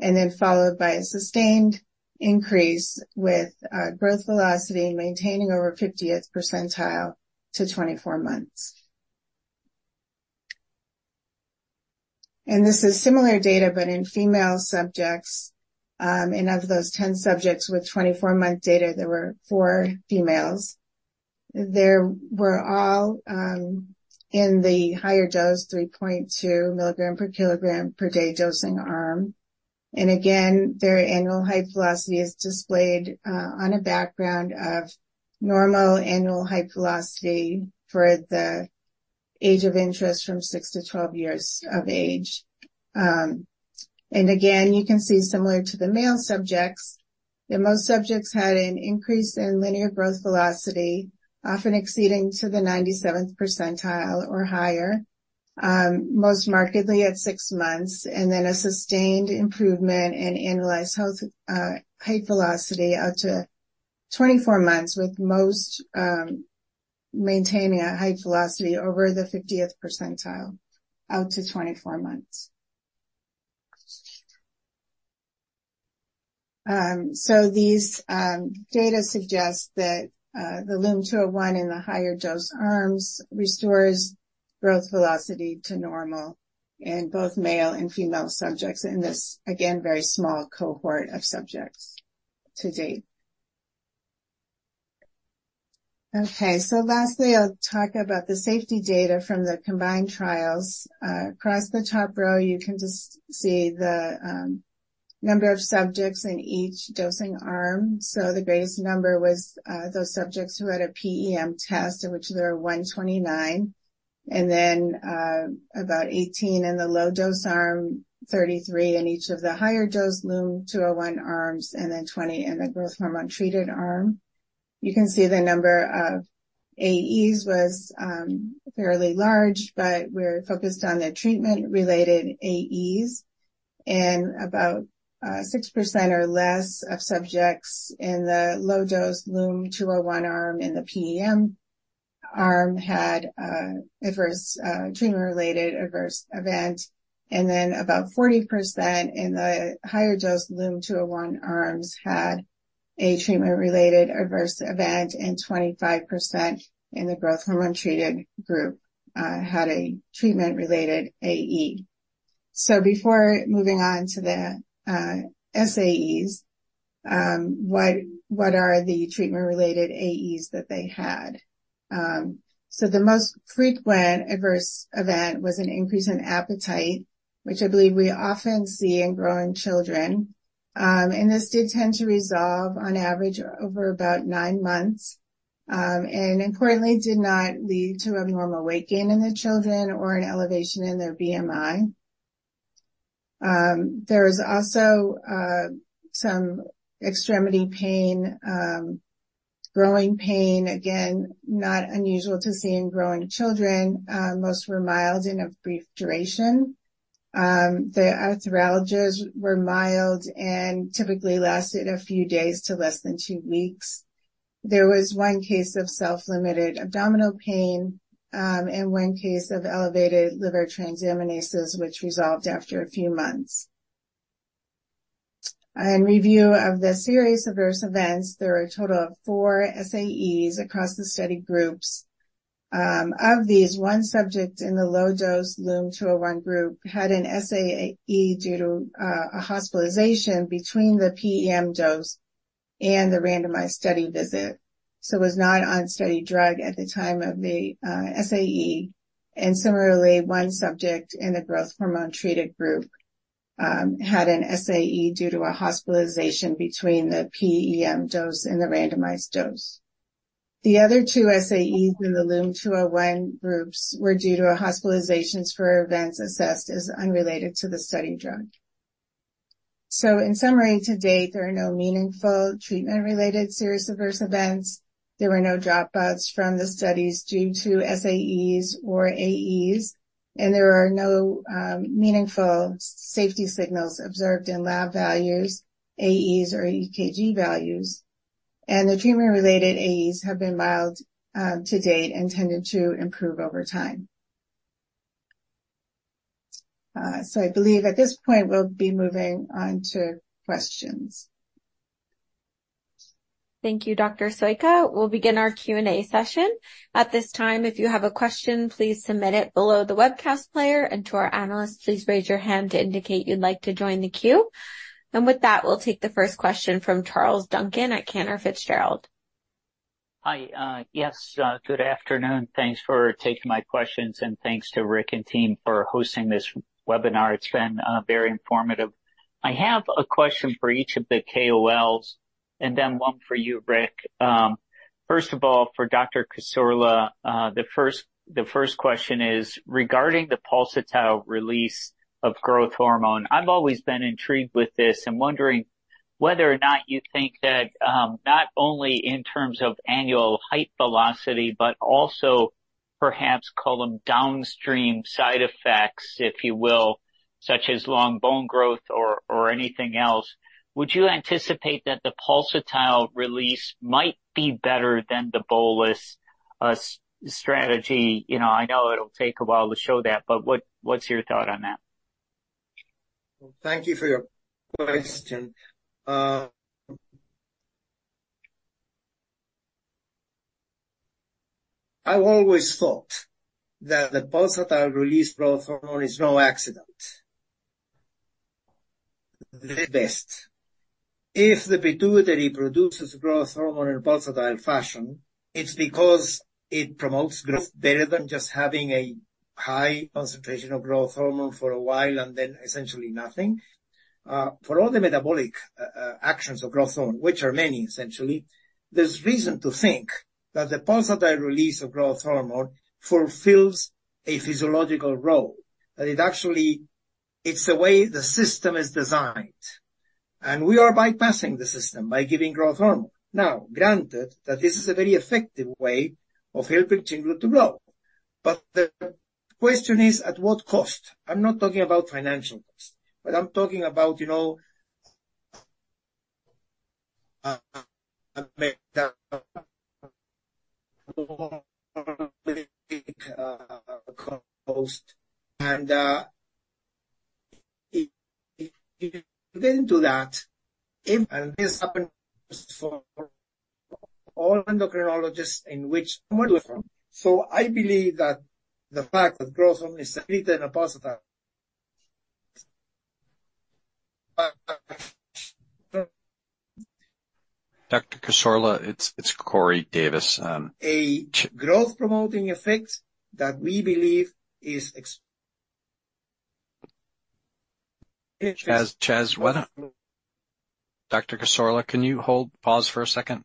and then followed by a sustained increase with growth velocity maintaining over 50th percentile to 24 months. This is similar data, but in female subjects. Of those 10 subjects with 24-month data, there were 4 females. They were all in the higher dose, 3.2 mg/kg/day dosing arm. Again, their annual height velocity is displayed on a background of normal annual height velocity for the age of interest from 6 to 12 years of age. You can see similar to the male subjects, that most subjects had an increase in linear growth velocity, often exceeding the 97th percentile or higher, most markedly at 6 months, and then a sustained improvement in annualized height velocity out to 24 months, with most maintaining a height velocity over the 50th percentile out to 24 months. So these data suggest that the LUM-201 in the higher dose arms restores growth velocity to normal in both male and female subjects in this, again, very small cohort of subjects to date. Okay, lastly, I'll talk about the safety data from the combined trials. Across the top row, you can just see the number of subjects in each dosing arm. The greatest number was those subjects who had a PEM test, in which there are 129, and then about 18 in the low dose arm, 33 in each of the higher dose LUM-201 arms, and then 20 in the growth hormone-treated arm. You can see the number of AEs was fairly large, but we're focused on the treatment-related AEs, and about 6% or less of subjects in the low dose LUM-201 arm and the PEM arm had adverse treatment-related adverse event. And then about 40% in the higher dose LUM-201 arms had a treatment-related adverse event, and 25% in the growth hormone-treated group had a treatment-related AE. So before moving on to the SAEs, what are the treatment-related AEs that they had? So the most frequent adverse event was an increase in appetite, which I believe we often see in growing children. And this did tend to resolve on average over about nine months, and importantly, did not lead to abnormal weight gain in the children or an elevation in their BMI. There was also some extremity pain, growing pain, again, not unusual to see in growing children. Most were mild and of brief duration. The arthralgias were mild and typically lasted a few days to less than two weeks. There was one case of self-limited abdominal pain, and one case of elevated liver transaminases, which resolved after a few months.... Review of the serious adverse events, there are a total of four SAEs across the study groups. Of these, one subject in the low dose LUM-201 group had an SAE due to a hospitalization between the PEM dose and the randomized study visit, so was not on study drug at the time of the SAE. Similarly, one subject in the growth hormone-treated group had an SAE due to a hospitalization between the PEM dose and the randomized dose. The other two SAEs in the LUM-201 groups were due to hospitalizations for events assessed as unrelated to the study drug. In summary, to date, there are no meaningful treatment-related serious adverse events. There were no dropouts from the studies due to SAEs or AEs, and there are no meaningful safety signals observed in lab values, AEs, or EKG values. The treatment-related AEs have been mild, to date and tended to improve over time. So I believe at this point, we'll be moving on to questions. Thank you, Dr. Soyka. We'll begin our Q&A session. At this time, if you have a question, please submit it below the webcast player, and to our analysts, please raise your hand to indicate you'd like to join the queue. With that, we'll take the first question from Charles Duncan at Cantor Fitzgerald. Hi. Yes, good afternoon. Thanks for taking my questions, and thanks to Rick and team for hosting this webinar. It's been very informative. I have a question for each of the KOLs and then one for you, Rick. First of all, for Dr. Cassorla, the first question is regarding the pulsatile release of growth hormone. I've always been intrigued with this and wondering whether or not you think that, not only in terms of annual height velocity, but also perhaps call them downstream side effects, if you will, such as long bone growth or anything else, would you anticipate that the pulsatile release might be better than the bolus strategy? You know, I know it'll take a while to show that, but what's your thought on that? Well, thank you for your question. I've always thought that the pulsatile release growth hormone is no accident. If the pituitary produces growth hormone in pulsatile fashion, it's because it promotes growth better than just having a high concentration of growth hormone for a while and then essentially nothing. For all the metabolic actions of growth hormone, which are many, essentially, there's reason to think that the pulsatile release of growth hormone fulfills a physiological role, that it actually, it's the way the system is designed, and we are bypassing the system by giving growth hormone. Now, granted that this is a very effective way of helping children to grow, but the question is, at what cost? I'm not talking about financial cost, but I'm talking about, you know, cost. If you didn't do that, and this happened for all endocrinologists in which... So I believe that the fact that growth hormone is secreted in a positive. Dr. Cassorla, it's Corey Davis, A growth-promoting effect that we believe is ex- Chaz, Chaz, why don't... Dr. Cassorla, can you hold, pause for a second?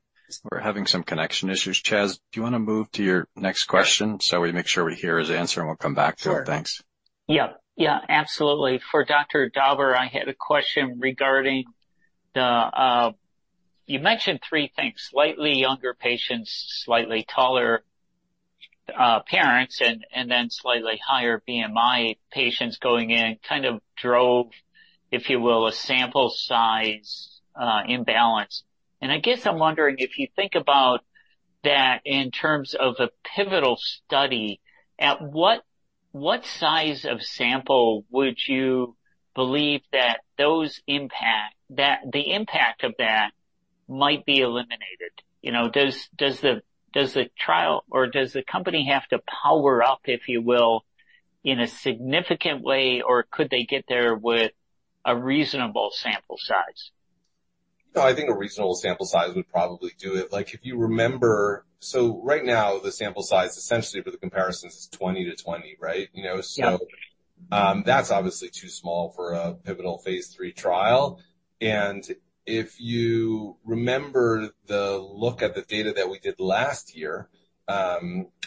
We're having some connection issues. Chaz, do you want to move to your next question so we make sure we hear his answer, and we'll come back to it. Sure. Thanks. Yeah. Yeah, absolutely. For Dr. Dauber, I had a question regarding the... You mentioned three things, slightly younger patients, slightly taller parents, and then slightly higher BMI patients going in, kind of drove, if you will, a sample size imbalance. And I guess I'm wondering if you think about that in terms of a pivotal study, at what size of sample would you believe that those impacts that the impact of that might be eliminated? You know, does the trial or does the company have to power up, if you will, in a significant way, or could they get there with a reasonable sample size? I think a reasonable sample size would probably do it. Like, if you remember, so right now, the sample size, essentially for the comparisons, is 20 to 20, right? You know, so- Yeah. That's obviously too small for a pivotal phase 3 trial. And if you remember the look at the data that we did last year,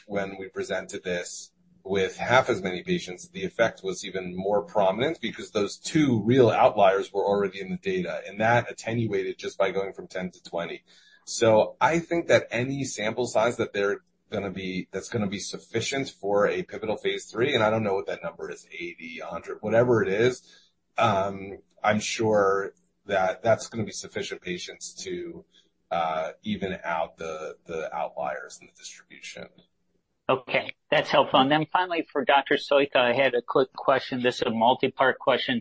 when we presented this with half as many patients, the effect was even more prominent because those two real outliers were already in the data, and that attenuated just by going from 10 to 20. So I think that any sample size that's gonna be sufficient for a pivotal phase 3, and I don't know what that number is, 80, 100, whatever it is, I'm sure that that's gonna be sufficient patients to even out the outliers in the distribution.... Okay, that's helpful. And then finally, for Dr. Soyka, I had a quick question. This is a multi-part question.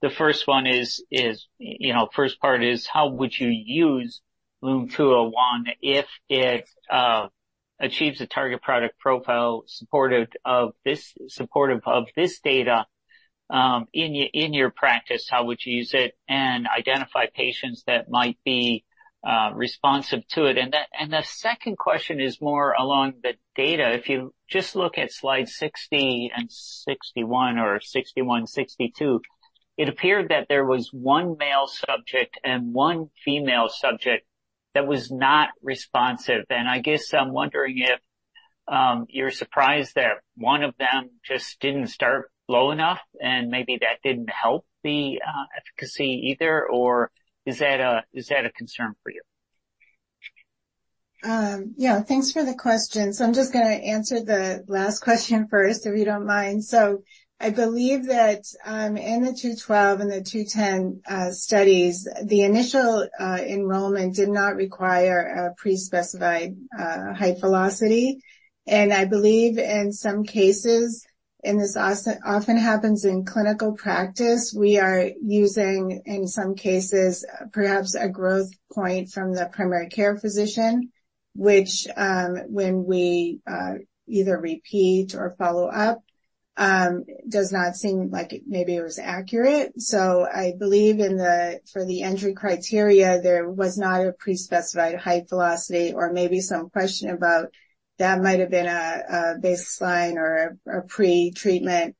The first one is, you know, first part is: how would you use LUM-201 if it achieves a target product profile supportive of this, supportive of this data, in your, in your practice, how would you use it and identify patients that might be responsive to it? And the second question is more along the data. If you just look at slide 60 and 61 or 61, 62, it appeared that there was one male subject and one female subject that was not responsive. And I guess I'm wondering if you're surprised that one of them just didn't start low enough and maybe that didn't help the efficacy either, or is that a concern for you? Yeah, thanks for the question. So I'm just gonna answer the last question first, if you don't mind. So I believe that, in the 212 and the 210 studies, the initial enrollment did not require a pre-specified height velocity. And I believe in some cases, and this also often happens in clinical practice, we are using, in some cases, perhaps a growth point from the primary care physician, which, when we either repeat or follow up, does not seem like maybe it was accurate. So I believe, for the entry criteria, there was not a pre-specified height velocity or maybe some question about that might have been a baseline or a pre-treatment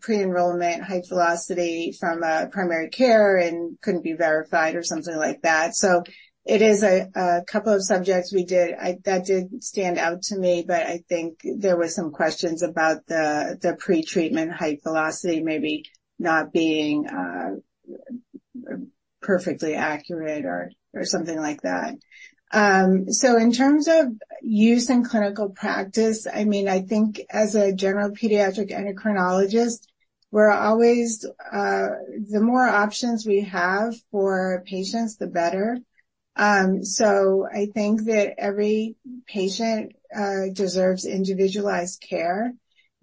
pre-enrollment height velocity from primary care and couldn't be verified or something like that. So it is a couple of subjects that did stand out to me, but I think there were some questions about the pre-treatment height velocity maybe not being perfectly accurate or something like that. So in terms of use in clinical practice, I mean, I think as a general pediatric endocrinologist, we're always the more options we have for patients, the better. So I think that every patient deserves individualized care.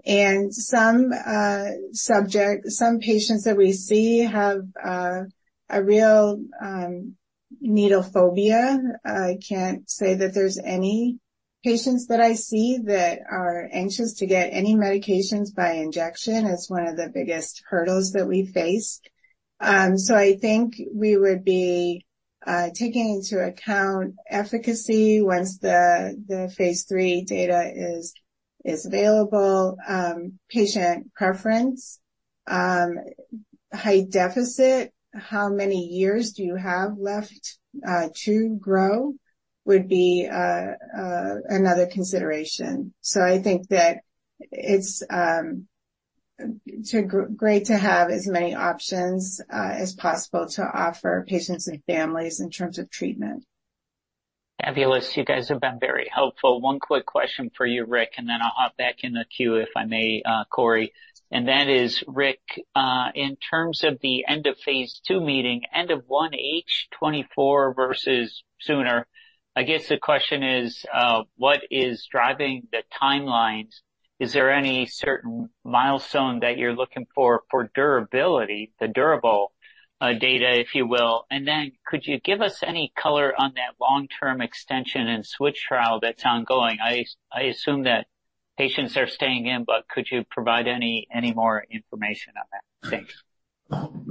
And some patients that we see have a real needle phobia. I can't say that there's any patients that I see that are anxious to get any medications by injection. It's one of the biggest hurdles that we face. So I think we would be taking into account efficacy once the phase 3 data is available, patient preference, height deficit. How many years do you have left to grow? Would be another consideration. So I think that it's too great to have as many options as possible to offer patients and families in terms of treatment. Fabulous. You guys have been very helpful. One quick question for you, Rick, and then I'll hop back in the queue, if I may, Corey, and that is, Rick, in terms of the end of phase 2 meeting, end of 1H 2024 versus sooner, I guess the question is, what is driving the timelines? Is there any certain milestone that you're looking for, for durability, the durable data, if you will? And then could you give us any color on that long-term extension and switch trial that's ongoing? I assume that patients are staying in, but could you provide any more information on that? Thanks. Well,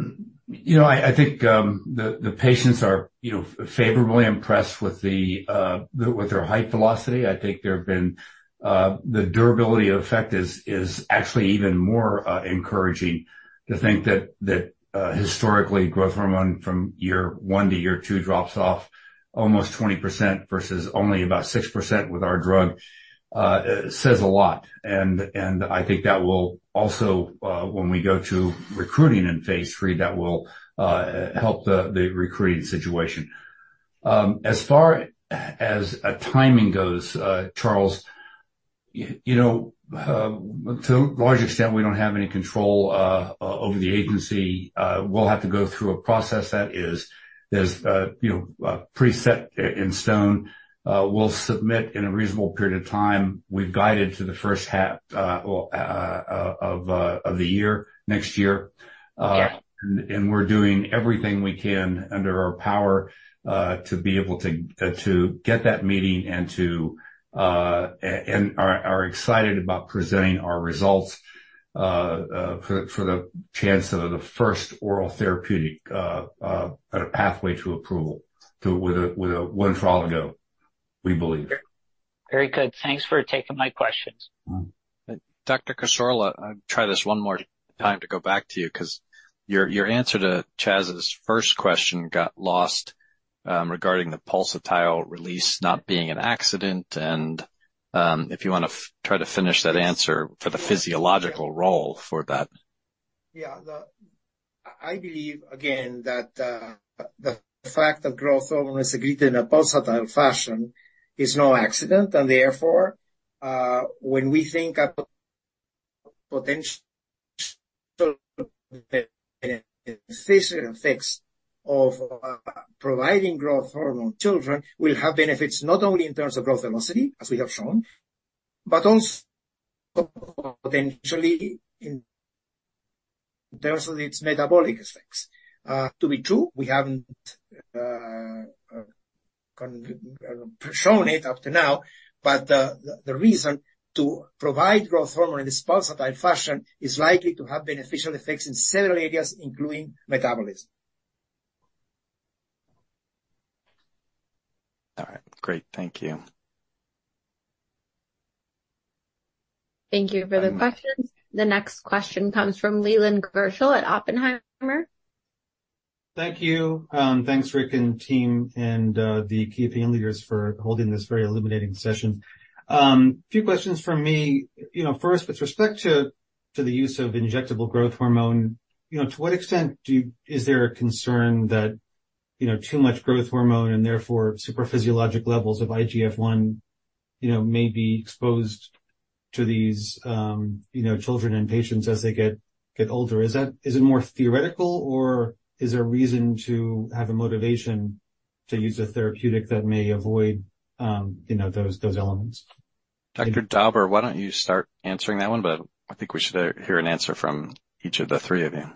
you know, I think the patients are, you know, favorably impressed with their height velocity. I think the durability effect is actually even more encouraging. To think that historically, growth hormone from year one to year two drops off almost 20% versus only about 6% with our drug, says a lot. And I think that will also, when we go to recruiting in phase three, that will help the recruiting situation. As far as timing goes, Charles, you know, to a large extent, we don't have any control over the agency. We'll have to go through a process that is, you know, preset in stone. We'll submit in a reasonable period of time. We've guided to the first half of the year, next year. Yeah. and we're doing everything we can within our power to be able to get that meeting and to. And we are excited about presenting our results for the chance to be the first oral therapeutic pathway to approval with a one-trial approach, we believe. Very good. Thanks for taking my questions. Dr. Cassorla, I'll try this one more time to go back to you because your, your answer to Chaz's first question got lost, regarding the pulsatile release not being an accident. And, if you want to try to finish that answer for the physiological role for that. Yeah. I believe, again, that the fact that growth hormone is secreted in a pulsatile fashion is no accident. And therefore, when we think about-... potential effects of providing growth hormone to children will have benefits not only in terms of growth velocity, as we have shown, but also potentially in terms of its metabolic effects. To be true, we haven't shown it up to now, but the reason to provide growth hormone in this pulsatile fashion is likely to have beneficial effects in several areas, including metabolism. All right, great. Thank you. Thank you for the questions. The next question comes from Leland Gershell at Oppenheimer. Thank you. Thanks, Rick and team, and the key opinion leaders for holding this very illuminating session. A few questions from me. You know, first, with respect to the use of injectable growth hormone, you know, to what extent is there a concern that, you know, too much growth hormone and therefore supraphysiologic levels of IGF-1, you know, may be exposed to these, you know, children and patients as they get older? Is it more theoretical, or is there a reason to have a motivation to use a therapeutic that may avoid, you know, those elements? Dr. Dauber, why don't you start answering that one? But I think we should hear an answer from each of the three of you.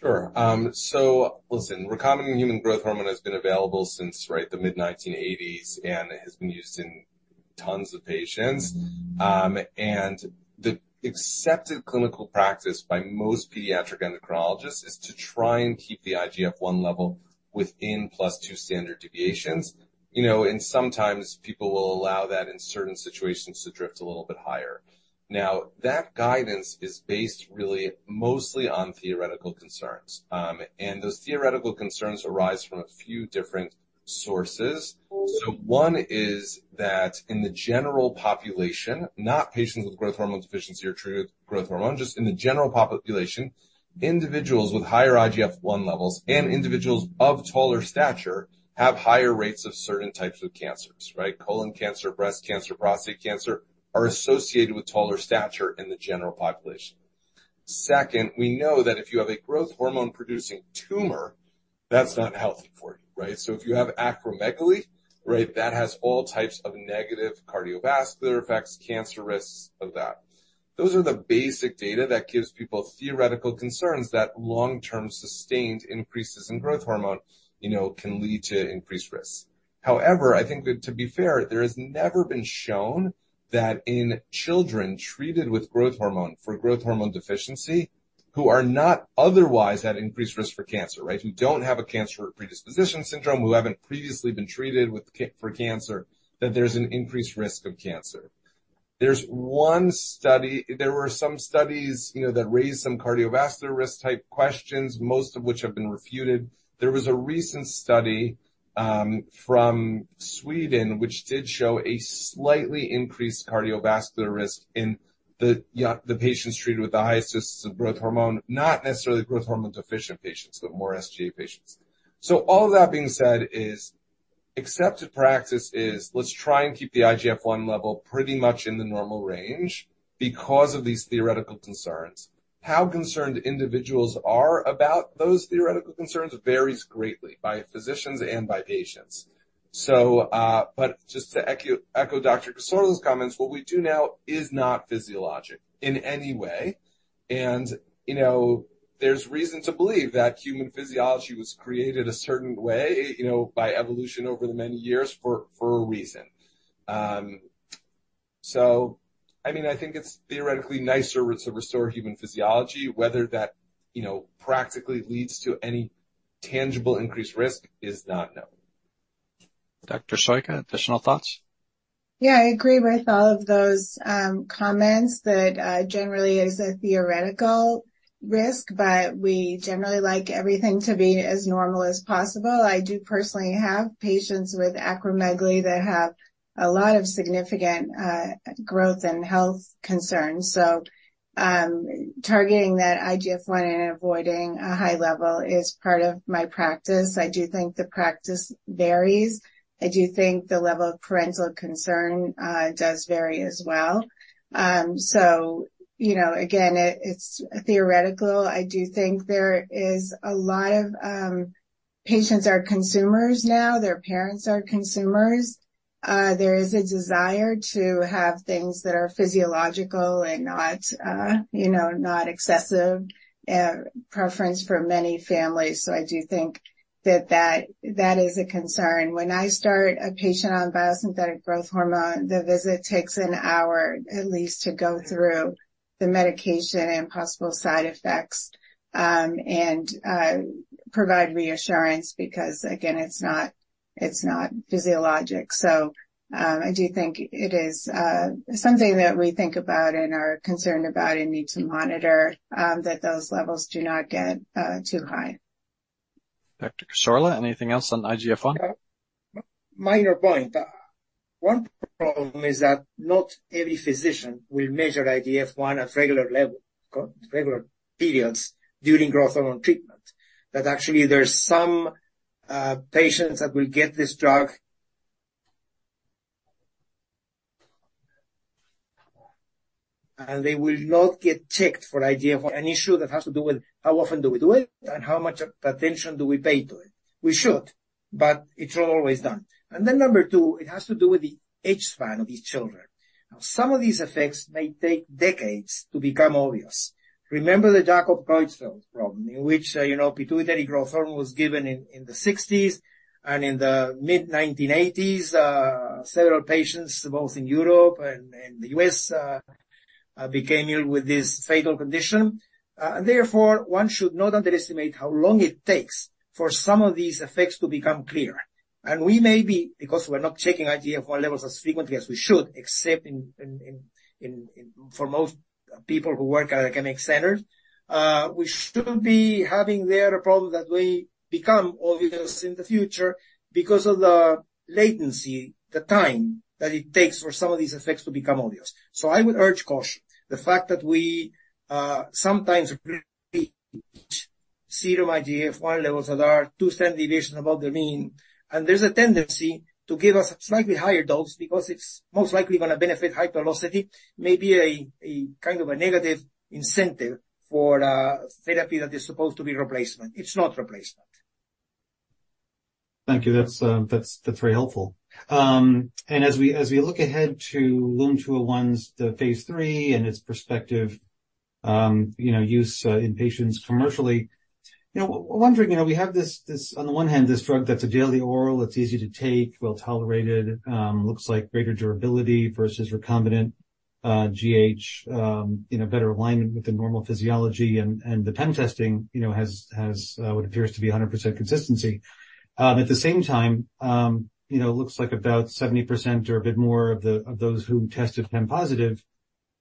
Sure. So listen, recombinant human growth hormone has been available since, right, the mid-1980s, and it has been used in tons of patients. And the accepted clinical practice by most pediatric endocrinologists is to try and keep the IGF-1 level within +2 standard deviations. You know, and sometimes people will allow that in certain situations to drift a little bit higher. Now, that guidance is based really mostly on theoretical concerns. And those theoretical concerns arise from a few different sources. So one is that in the general population, not patients with growth hormone deficiency or treated with growth hormone, just in the general population, individuals with higher IGF-1 levels and individuals of taller stature have higher rates of certain types of cancers, right? Colon cancer, breast cancer, prostate cancer are associated with taller stature in the general population. Second, we know that if you have a growth hormone-producing tumor, that's not healthy for you, right? So if you have acromegaly, right, that has all types of negative cardiovascular effects, cancer risks of that. Those are the basic data that gives people theoretical concerns that long-term sustained increases in growth hormone, you know, can lead to increased risk. However, I think that to be fair, there has never been shown that in children treated with growth hormone for growth hormone deficiency, who are not otherwise at increased risk for cancer, right? Who don't have a cancer predisposition syndrome, who haven't previously been treated with ca-- for cancer, that there's an increased risk of cancer. There's one study-- There were some studies, you know, that raised some cardiovascular risk type questions, most of which have been refuted. There was a recent study from Sweden, which did show a slightly increased cardiovascular risk in the patients treated with the highest doses of growth hormone, not necessarily growth hormone-deficient patients, but more SGA patients. So all of that being said is accepted practice is let's try and keep the IGF-I level pretty much in the normal range because of these theoretical concerns. How concerned individuals are about those theoretical concerns varies greatly by physicians and by patients. So, but just to echo Dr. Cassorla's comments, what we do now is not physiologic in any way, and, you know, there's reason to believe that human physiology was created a certain way, you know, by evolution over the many years for a reason. So, I mean, I think it's theoretically nicer to restore human physiology, whether that, you know, practically leads to any tangible increased risk is not known. Dr. Soyka, additional thoughts? Yeah, I agree with all of those comments that generally is a theoretical risk, but we generally like everything to be as normal as possible. I do personally have patients with Acromegaly that have a lot of significant growth and health concerns. So, targeting that IGF-I and avoiding a high level is part of my practice. I do think the practice varies. I do think the level of parental concern does vary as well. So you know, again, it, it's theoretical. I do think there is a lot of patients are consumers now; their parents are consumers. There is a desire to have things that are physiological and not, you know, not excessive, preference for many families. So I do think that that, that is a concern. When I start a patient on biosynthetic growth hormone, the visit takes an hour at least to go through the medication and possible side effects and provide reassurance because, again, it's not physiologic. So, I do think it is something that we think about and are concerned about and need to monitor that those levels do not get too high. Dr. Cassorla, anything else on IGF-1? Minor point. One problem is that not every physician will measure IGF-1 at regular level, regular periods during growth hormone treatment. That actually there are some patients that will get this drug. And they will not get checked for IGF-1, an issue that has to do with how often do we do it and how much attention do we pay to it? We should, but it's not always done. And then number two, it has to do with the age span of these children. Now, some of these effects may take decades to become obvious. Remember the Creutzfeldt-Jakob problem, in which, you know, pituitary growth hormone was given in the 1960s and in the mid-1980s, several patients, both in Europe and the US, became ill with this fatal condition. And therefore, one should not underestimate how long it takes for some of these effects to become clear. And we may be, because we're not checking IGF-1 levels as frequently as we should, except in for most people who work at academic centers, we should be having there a problem that may become obvious in the future because of the latency, the time that it takes for some of these effects to become obvious. So I would urge caution. The fact that we sometimes reach zero IGF-1 levels that are two standard deviation above the mean, and there's a tendency to give us slightly higher dose because it's most likely gonna benefit hyperocity, may be a kind of a negative incentive for therapy that is supposed to be replacement. It's not replacement. Thank you. That's very helpful. And as we look ahead to LUM-201's phase 3 and its prospective use in patients commercially, you know, we have this on the one hand, this drug that's a daily oral, it's easy to take, well-tolerated, looks like greater durability versus recombinant GH. You know, better alignment with the normal physiology and the PEM testing, you know, has what appears to be 100% consistency. At the same time, you know, it looks like about 70% or a bit more of those who tested PEM positive,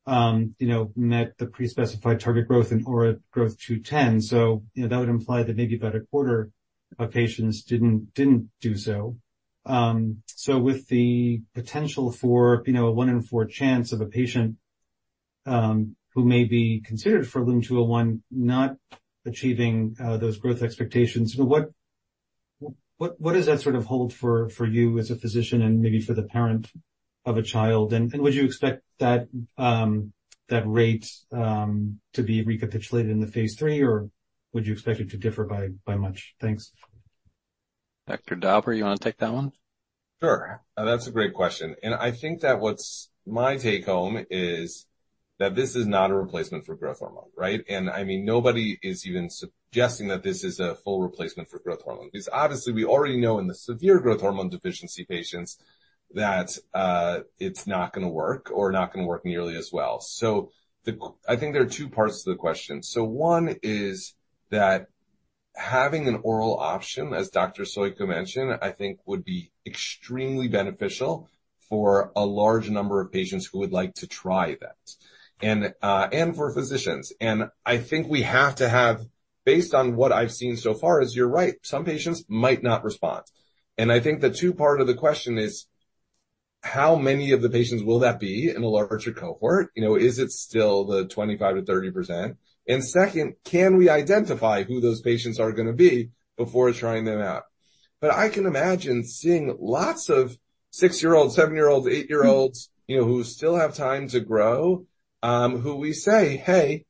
you know, met the pre-specified target growth in OraGrowtH210. So, you know, that would imply that maybe about a quarter of patients didn't do so. So with the potential for, you know, a 1 in 4 chance of a patient who may be considered for LUM-201 not achieving those growth expectations, what does that sort of hold for you as a physician and maybe for the parent of a child? And would you expect that rate to be recapitulated in the phase 3, or would you expect it to differ by much? Thanks. Dr. Dauber, you want to take that one? Sure. That's a great question, and I think that what's my take-home is that this is not a replacement for growth hormone, right? And I mean, nobody is even suggesting that this is a full replacement for growth hormone, because obviously we already know in the severe growth hormone deficiency patients that it's not gonna work or not gonna work nearly as well. So I think there are two parts to the question. So one is that having an oral option, as Dr. Soyka mentioned, I think would be extremely beneficial for a large number of patients who would like to try that, and and for physicians. And I think we have to have, based on what I've seen so far, is you're right, some patients might not respond. I think the two part of the question is: How many of the patients will that be in a larger cohort? You know, is it still the 25%-30%? And second, can we identify who those patients are gonna be before trying them out? But I can imagine seeing lots of six-year-olds, seven-year-olds, eight-year-olds, you know, who still have time to grow, who we say, "Hey,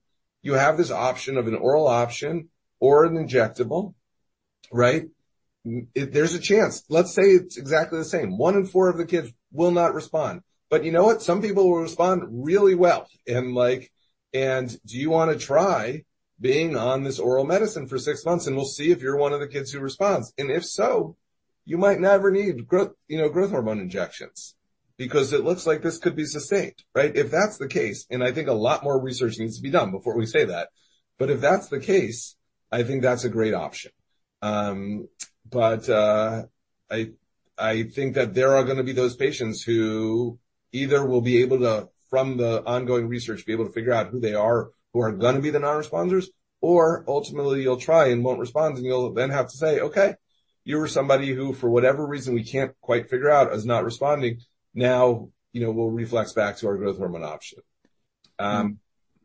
you have this option of an oral option or an injectable," right? There's a chance. Let's say it's exactly the same. 1 in 4 of the kids will not respond. But you know what? Some people will respond really well. And like... "And do you wanna try being on this oral medicine for six months, and we'll see if you're one of the kids who responds. And if so, you might never need growth, you know, growth hormone injections because it looks like this could be sustained," right? If that's the case, and I think a lot more research needs to be done before we say that, but if that's the case, I think that's a great option. But, I, I think that there are gonna be those patients who either will be able to, from the ongoing research, be able to figure out who they are, who are gonna be the non-responders, or ultimately you'll try and won't respond, and you'll then have to say, "Okay, you were somebody who for whatever reason, we can't quite figure out, is not responding. Now, you know, we'll reflect back to our growth hormone option."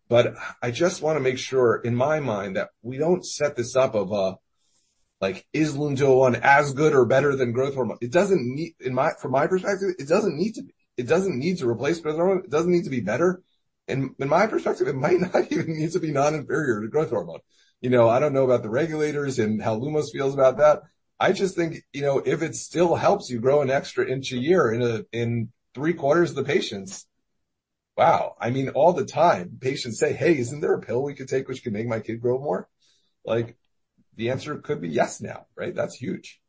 But I just wanna make sure in my mind that we don't set this up as a, like, is LUM-201 as good or better than growth hormone? It doesn't need to be. In my - from my perspective, it doesn't need to be. It doesn't need to replace growth hormone. It doesn't need to be better. And in my perspective, it might not even need to be non-inferior to growth hormone. You know, I don't know about the regulators and how Lumos feels about that. I just think, you know, if it still helps you grow an extra inch a year in three-quarters of the patients, wow! I mean, all the time, patients say, "Hey, isn't there a pill we could take which can make my kid grow more?" Like, the answer could be yes now, right? That's huge.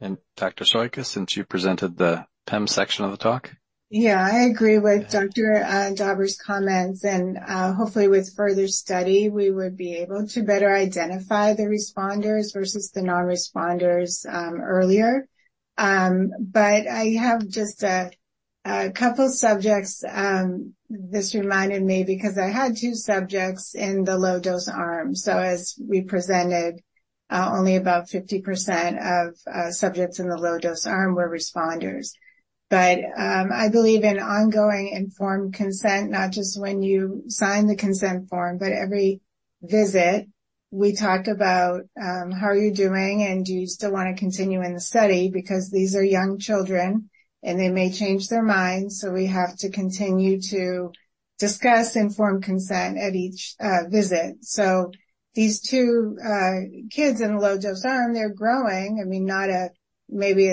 Dr. Soyka, since you presented the PEM section of the talk. Yeah, I agree with Dr. Dauber's comments, and hopefully, with further study, we would be able to better identify the responders versus the non-responders earlier. But I have just a couple of subjects, this reminded me because I had two subjects in the low-dose arm. So as we presented, only about 50% of subjects in the low-dose arm were responders. But I believe in ongoing informed consent, not just when you sign the consent form, but every visit. We talk about how are you doing, and do you still want to continue in the study? Because these are young children, and they may change their minds, so we have to continue to discuss informed consent at each visit. So these two kids in low-dose arm, they're growing. I mean, not at maybe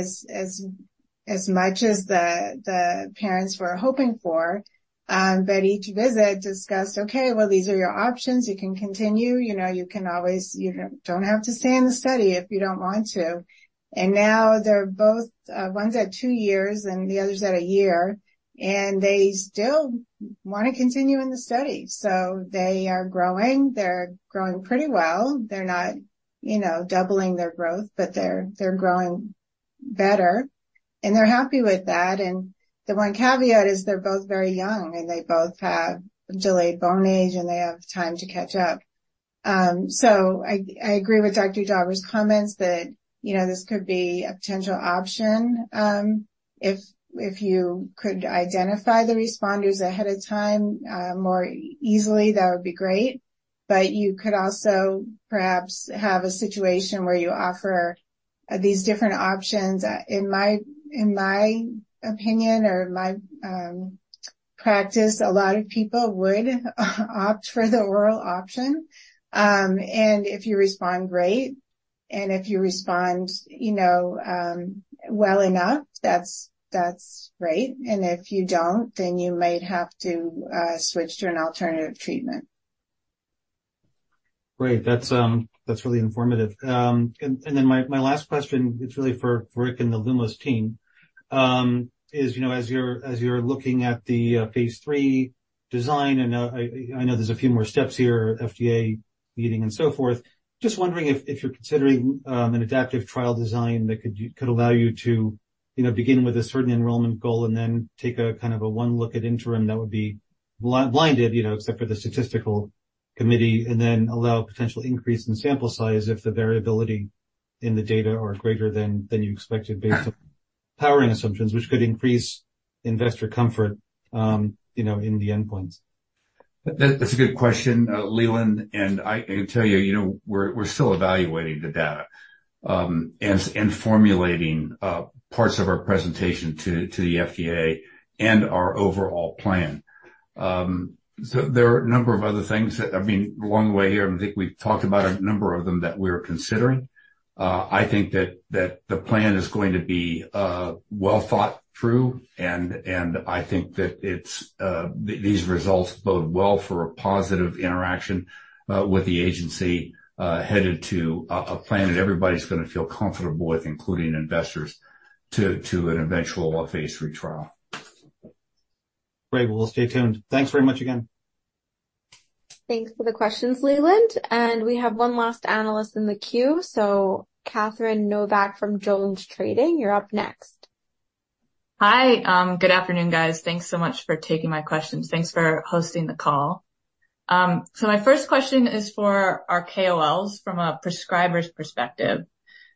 as much as the parents were hoping for, but each visit discussed: okay, well, these are your options. You can continue, you know, you can always, you don't have to stay in the study if you don't want to. And now they're both, one's at two years and the other's at a year, and they still want to continue in the study. So they are growing. They're growing pretty well. They're not, you know, doubling their growth, but they're growing better, and they're happy with that. And the one caveat is they're both very young, and they both have delayed bone age, and they have time to catch up. So I agree with Dr. Dauber's comments that, you know, this could be a potential option. If you could identify the responders ahead of time more easily, that would be great. But you could also perhaps have a situation where you offer these different options. In my opinion or my practice, a lot of people would opt for the oral option. And if you respond, great, and if you respond, you know, well enough, that's great. And if you don't, then you might have to switch to an alternative treatment. Great. That's, that's really informative. And, and then my, my last question, it's really for, for Rick and the Lumos team, is, you know, as you're, as you're looking at the, phase 3 design, and, I, I know there's a few more steps here, FDA meeting and so forth. Just wondering if, if you're considering, an adaptive trial design that could could allow you to, you know, begin with a certain enrollment goal and then take a kind of a one look at interim that would be blinded, you know, except for the statistical committee, and then allow potential increase in sample size if the variability in the data are greater than, than you expected, based on powering assumptions, which could increase investor comfort, you know, in the endpoints. That, that's a good question, Leland. And I can tell you, you know, we're still evaluating the data as in formulating parts of our presentation to the FDA and our overall plan. So there are a number of other things that... I mean, along the way here, I think we've talked about a number of them that we're considering. I think that the plan is going to be well thought through, and I think that it's these results bode well for a positive interaction with the agency headed to a plan that everybody's going to feel comfortable with, including investors, to an eventual phase III trial. Great. Well, we'll stay tuned. Thanks very much again. Thanks for the questions, Leland. We have one last analyst in the queue. Catherine Novack from JonesTrading, you're up next. Hi. Good afternoon, guys. Thanks so much for taking my questions. Thanks for hosting the call. So my first question is for our KOLs from a prescriber's perspective.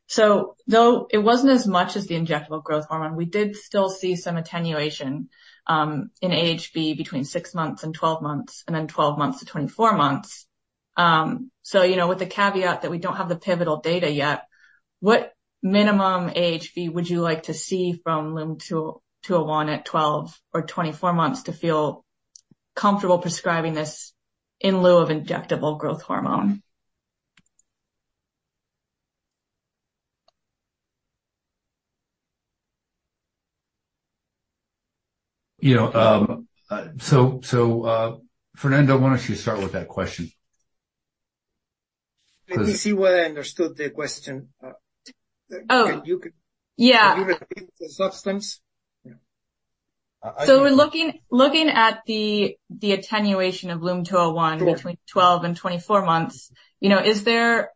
So though it wasn't as much as the injectable growth hormone, we did still see some attenuation, in AHV between 6 months and 12 months and then 12 months to 24 months. So, you know, with the caveat that we don't have the pivotal data yet, what minimum AHV would you like to see from LUM-201 at 12 or 24 months to feel comfortable prescribing this in lieu of injectable growth hormone? You know, Fernando, why don't you start with that question? Let me see whether I understood the question, Oh! You could- Yeah. Give the substance? Yeah. So we're looking at the attenuation of LUM-201- Sure. - between 12 and 24 months. You know, is there,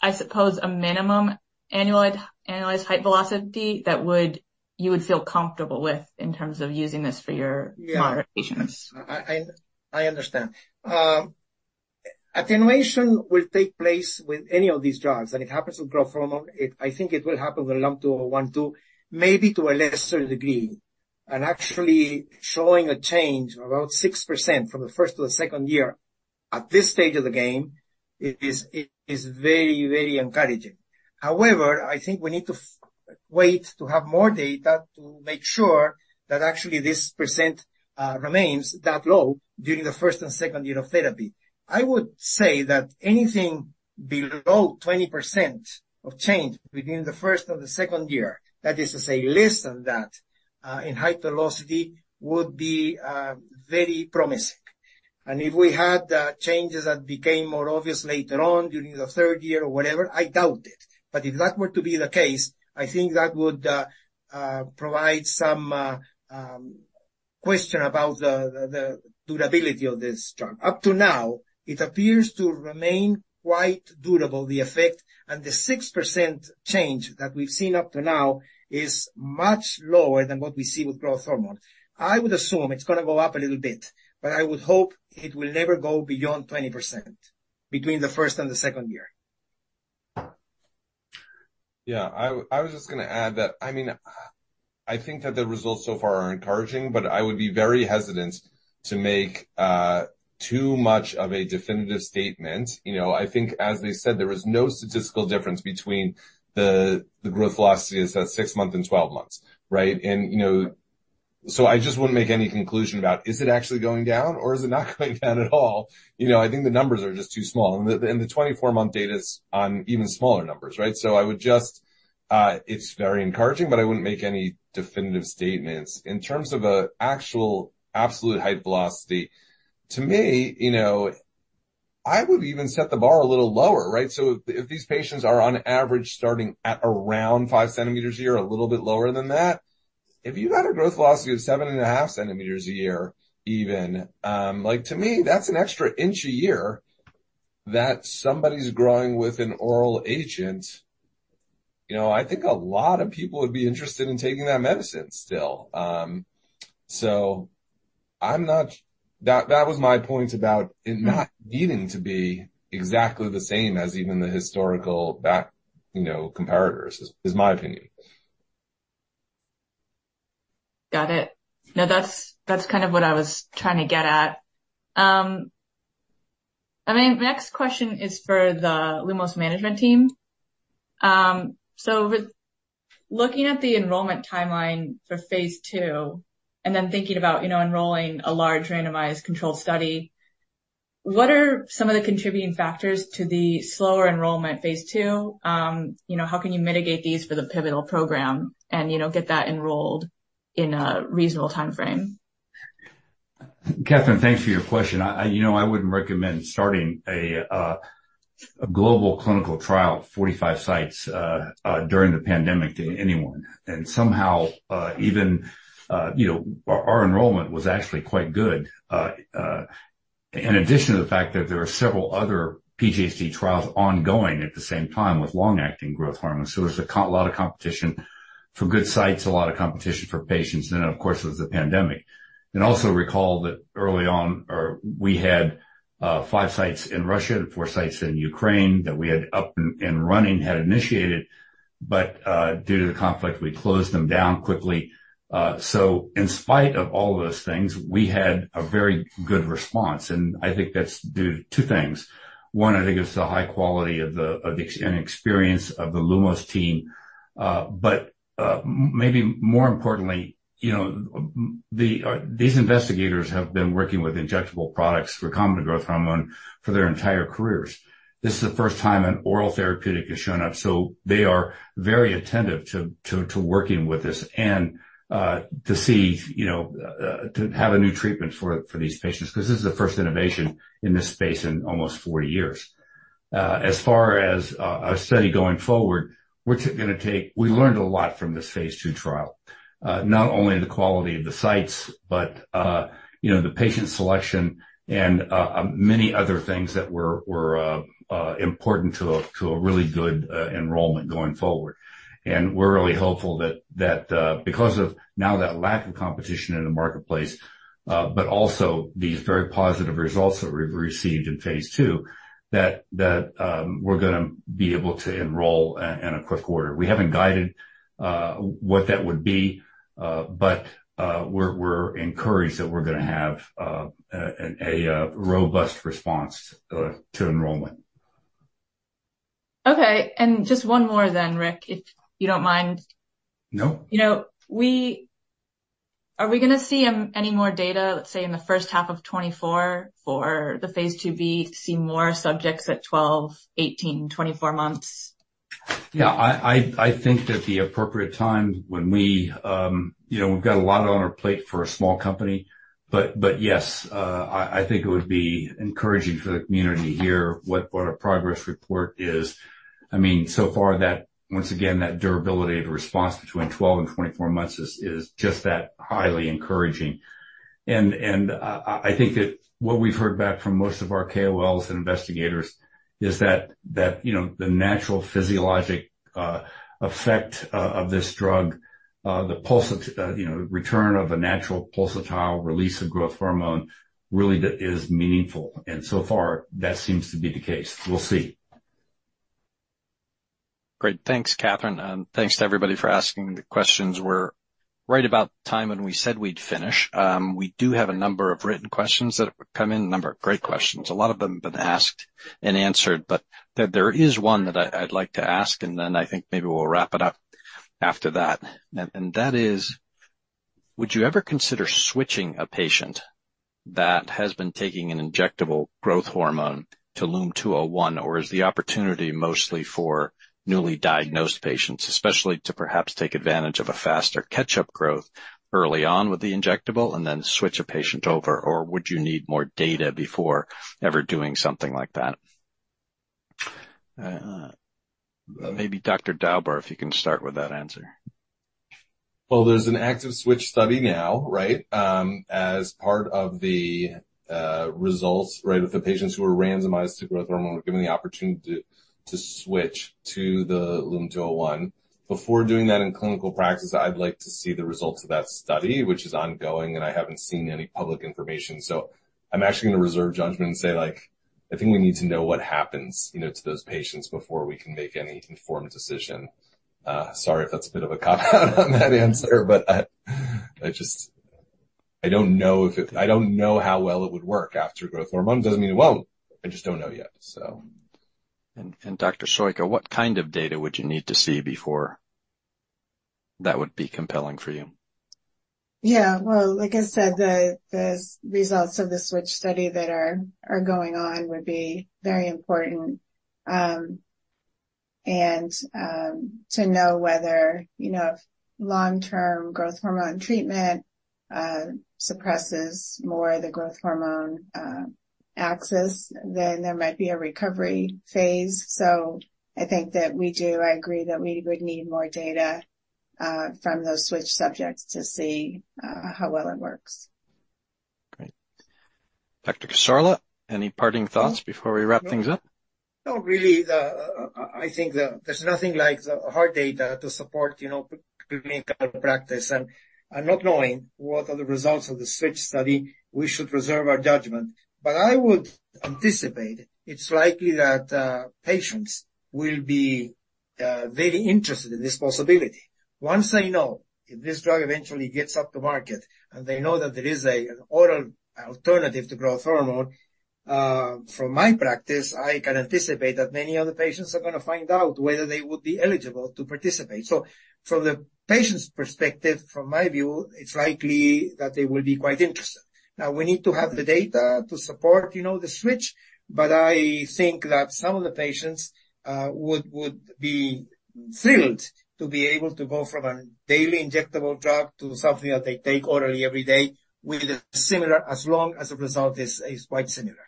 I suppose, a minimum annual, annualized height velocity that would, you would feel comfortable with in terms of using this for your- Yeah. -modern patients? I understand. Attenuation will take place with any of these drugs, and it happens with growth hormone. I think it will happen with LUM-201, too, maybe to a lesser degree. And actually showing a change of about 6% from the first to the second year at this stage of the game is very, very encouraging. However, I think we need to wait to have more data to make sure that actually this percent remains that low during the first and second year of therapy. I would say that anything below 20% of change between the first and the second year, that is to say, less than that in height velocity, would be very promising. And if we had changes that became more obvious later on during the third year or whatever, I doubt it. But if that were to be the case, I think that would provide some question about the, the durability of this drug. Up to now, it appears to remain quite durable, the effect, and the 6% change that we've seen up to now is much lower than what we see with growth hormone. I would assume it's going to go up a little bit, but I would hope it will never go beyond 20% between the first and the second year. ... Yeah, I was just going to add that. I mean, I think that the results so far are encouraging, but I would be very hesitant to make too much of a definitive statement. You know, I think, as they said, there was no statistical difference between the growth velocity is at six months and 12 months, right? And, you know, so I just wouldn't make any conclusion about is it actually going down or is it not going down at all? You know, I think the numbers are just too small, and the 24-month data is on even smaller numbers, right? So I would just. It's very encouraging, but I wouldn't make any definitive statements. In terms of a actual absolute height velocity, to me, you know, I would even set the bar a little lower, right? So if these patients are on average starting at around 5 centimeters a year, a little bit lower than that, if you've got a growth velocity of 7.5 centimeters a year, even, like, to me, that's an extra inch a year that somebody's growing with an oral agent. You know, I think a lot of people would be interested in taking that medicine still. So I'm not. That was my point about it not needing to be exactly the same as even the historical benchmark comparators. That is my opinion. Got it. Now, that's, that's kind of what I was trying to get at. I mean, next question is for the Lumos management team. So with looking at the enrollment timeline for phase two and then thinking about, you know, enrolling a large randomized controlled study, what are some of the contributing factors to the slower enrollment phase two? You know, how can you mitigate these for the pivotal program and, you know, get that enrolled in a reasonable timeframe? Catherine, thanks for your question. You know, I wouldn't recommend starting a global clinical trial, 45 sites, during the pandemic to anyone. And somehow, even, you know, our enrollment was actually quite good. In addition to the fact that there are several other PGHD trials ongoing at the same time with long-acting growth hormones. So there's a lot of competition for good sites, a lot of competition for patients, and then, of course, there's the pandemic. And also recall that early on we had 5 sites in Russia and 4 sites in Ukraine that we had up and running, had initiated, but due to the conflict, we closed them down quickly. So in spite of all of those things, we had a very good response, and I think that's due to two things. One, I think it's the high quality and experience of the Lumos team. But maybe more importantly, you know, these investigators have been working with injectable products, recombinant growth hormone, for their entire careers. This is the first time an oral therapeutic has shown up, so they are very attentive to working with this and to see, you know, to have a new treatment for these patients, because this is the first innovation in this space in almost 40 years. As far as our study going forward, we're going to take... We learned a lot from this phase 2 trial. Not only the quality of the sites, but, you know, the patient selection and, many other things that were, important to a really good, enrollment going forward. And we're really hopeful that, because of now that lack of competition in the marketplace, but also these very positive results that we've received in phase 2, that, we're going to be able to enroll in a quick order. We haven't guided, what that would be, but, we're encouraged that we're going to have, a robust response, to enrollment. Okay, and just one more then, Rick, if you don't mind. No. You know, are we going to see any more data, let's say, in the first half of 2024 for the phase 2 B, see more subjects at 12, 18, 24 months? Yeah, I think that the appropriate time when we... You know, we've got a lot on our plate for a small company, but yes, I think it would be encouraging for the community to hear what our progress report is. I mean, so far that once again, that durability of the response between 12 and 24 months is just that highly encouraging. And, I think that what we've heard back from most of our KOLs and investigators is that, you know, the natural physiologic effect of this drug, the pulsatile return of a natural pulsatile release of growth hormone really is meaningful, and so far, that seems to be the case. We'll see. Great. Thanks, Catherine, and thanks to everybody for asking the questions. We're right about the time when we said we'd finish. We do have a number of written questions that have come in, a number of great questions. A lot of them have been asked and answered, but there, there is one that I, I'd like to ask, and then I think maybe we'll wrap it up after that. And, and that is: Would you ever consider switching a patient that has been taking an injectable growth hormone to LUM-201, or is the opportunity mostly for newly diagnosed patients, especially to perhaps take advantage of a faster catch-up growth early on with the injectable and then switch a patient over? Or would you need more data before ever doing something like that? Maybe Dr. Dauber, if you can start with that answer. Well, there's an active switch study now, right? As part of the results, right, with the patients who were randomized to growth hormone, we're given the opportunity to switch to the LUM-201.... Before doing that in clinical practice, I'd like to see the results of that study, which is ongoing, and I haven't seen any public information. So I'm actually going to reserve judgment and say, like, I think we need to know what happens, you know, to those patients before we can make any informed decision. Sorry if that's a bit of a cop out on that answer, but, I just, I don't know if it-- I don't know how well it would work after growth hormone. Doesn't mean it won't. I just don't know yet, so. Dr. Soyka, what kind of data would you need to see before that would be compelling for you? Yeah, well, like I said, the results of the SWITCH study that are going on would be very important. To know whether, you know, if long-term growth hormone treatment suppresses more the growth hormone axis, then there might be a recovery phase. So I think that we do. I agree that we would need more data from those SWITCH subjects to see how well it works. Great. Dr. Cassorla, any parting thoughts before we wrap things up? No, really, I think that there's nothing like the hard data to support, you know, clinical practice. And not knowing what are the results of the SWITCH study, we should reserve our judgment. But I would anticipate it's likely that patients will be very interested in this possibility. Once they know if this drug eventually gets up to market, and they know that there is a, an oral alternative to growth hormone, from my practice, I can anticipate that many other patients are going to find out whether they would be eligible to participate. So from the patient's perspective, from my view, it's likely that they will be quite interested. Now, we need to have the data to support, you know, the SWITCH, but I think that some of the patients would be thrilled to be able to go from a daily injectable drug to something that they take orally every day with a similar as long as the result is quite similar.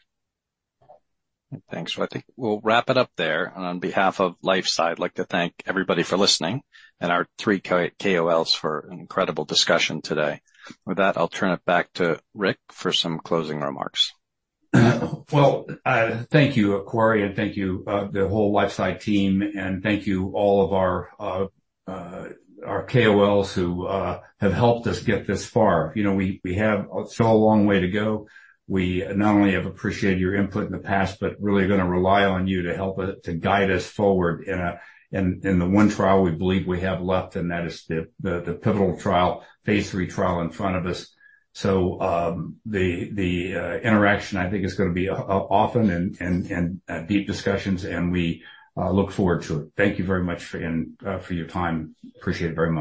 Thanks. So I think we'll wrap it up there. On behalf of LifeSci, I'd like to thank everybody for listening and our three KOLs for an incredible discussion today. With that, I'll turn it back to Rick for some closing remarks. Well, thank you, Corey, and thank you, the whole LifeSci team, and thank you, all of our KOLs who have helped us get this far. You know, we have so a long way to go. We not only have appreciated your input in the past, but really going to rely on you to help us, to guide us forward in the one trial we believe we have left, and that is the pivotal trial, phase III trial in front of us. So, the interaction, I think, is going to be often and deep discussions, and we look forward to it. Thank you very much for your time. Appreciate it very much.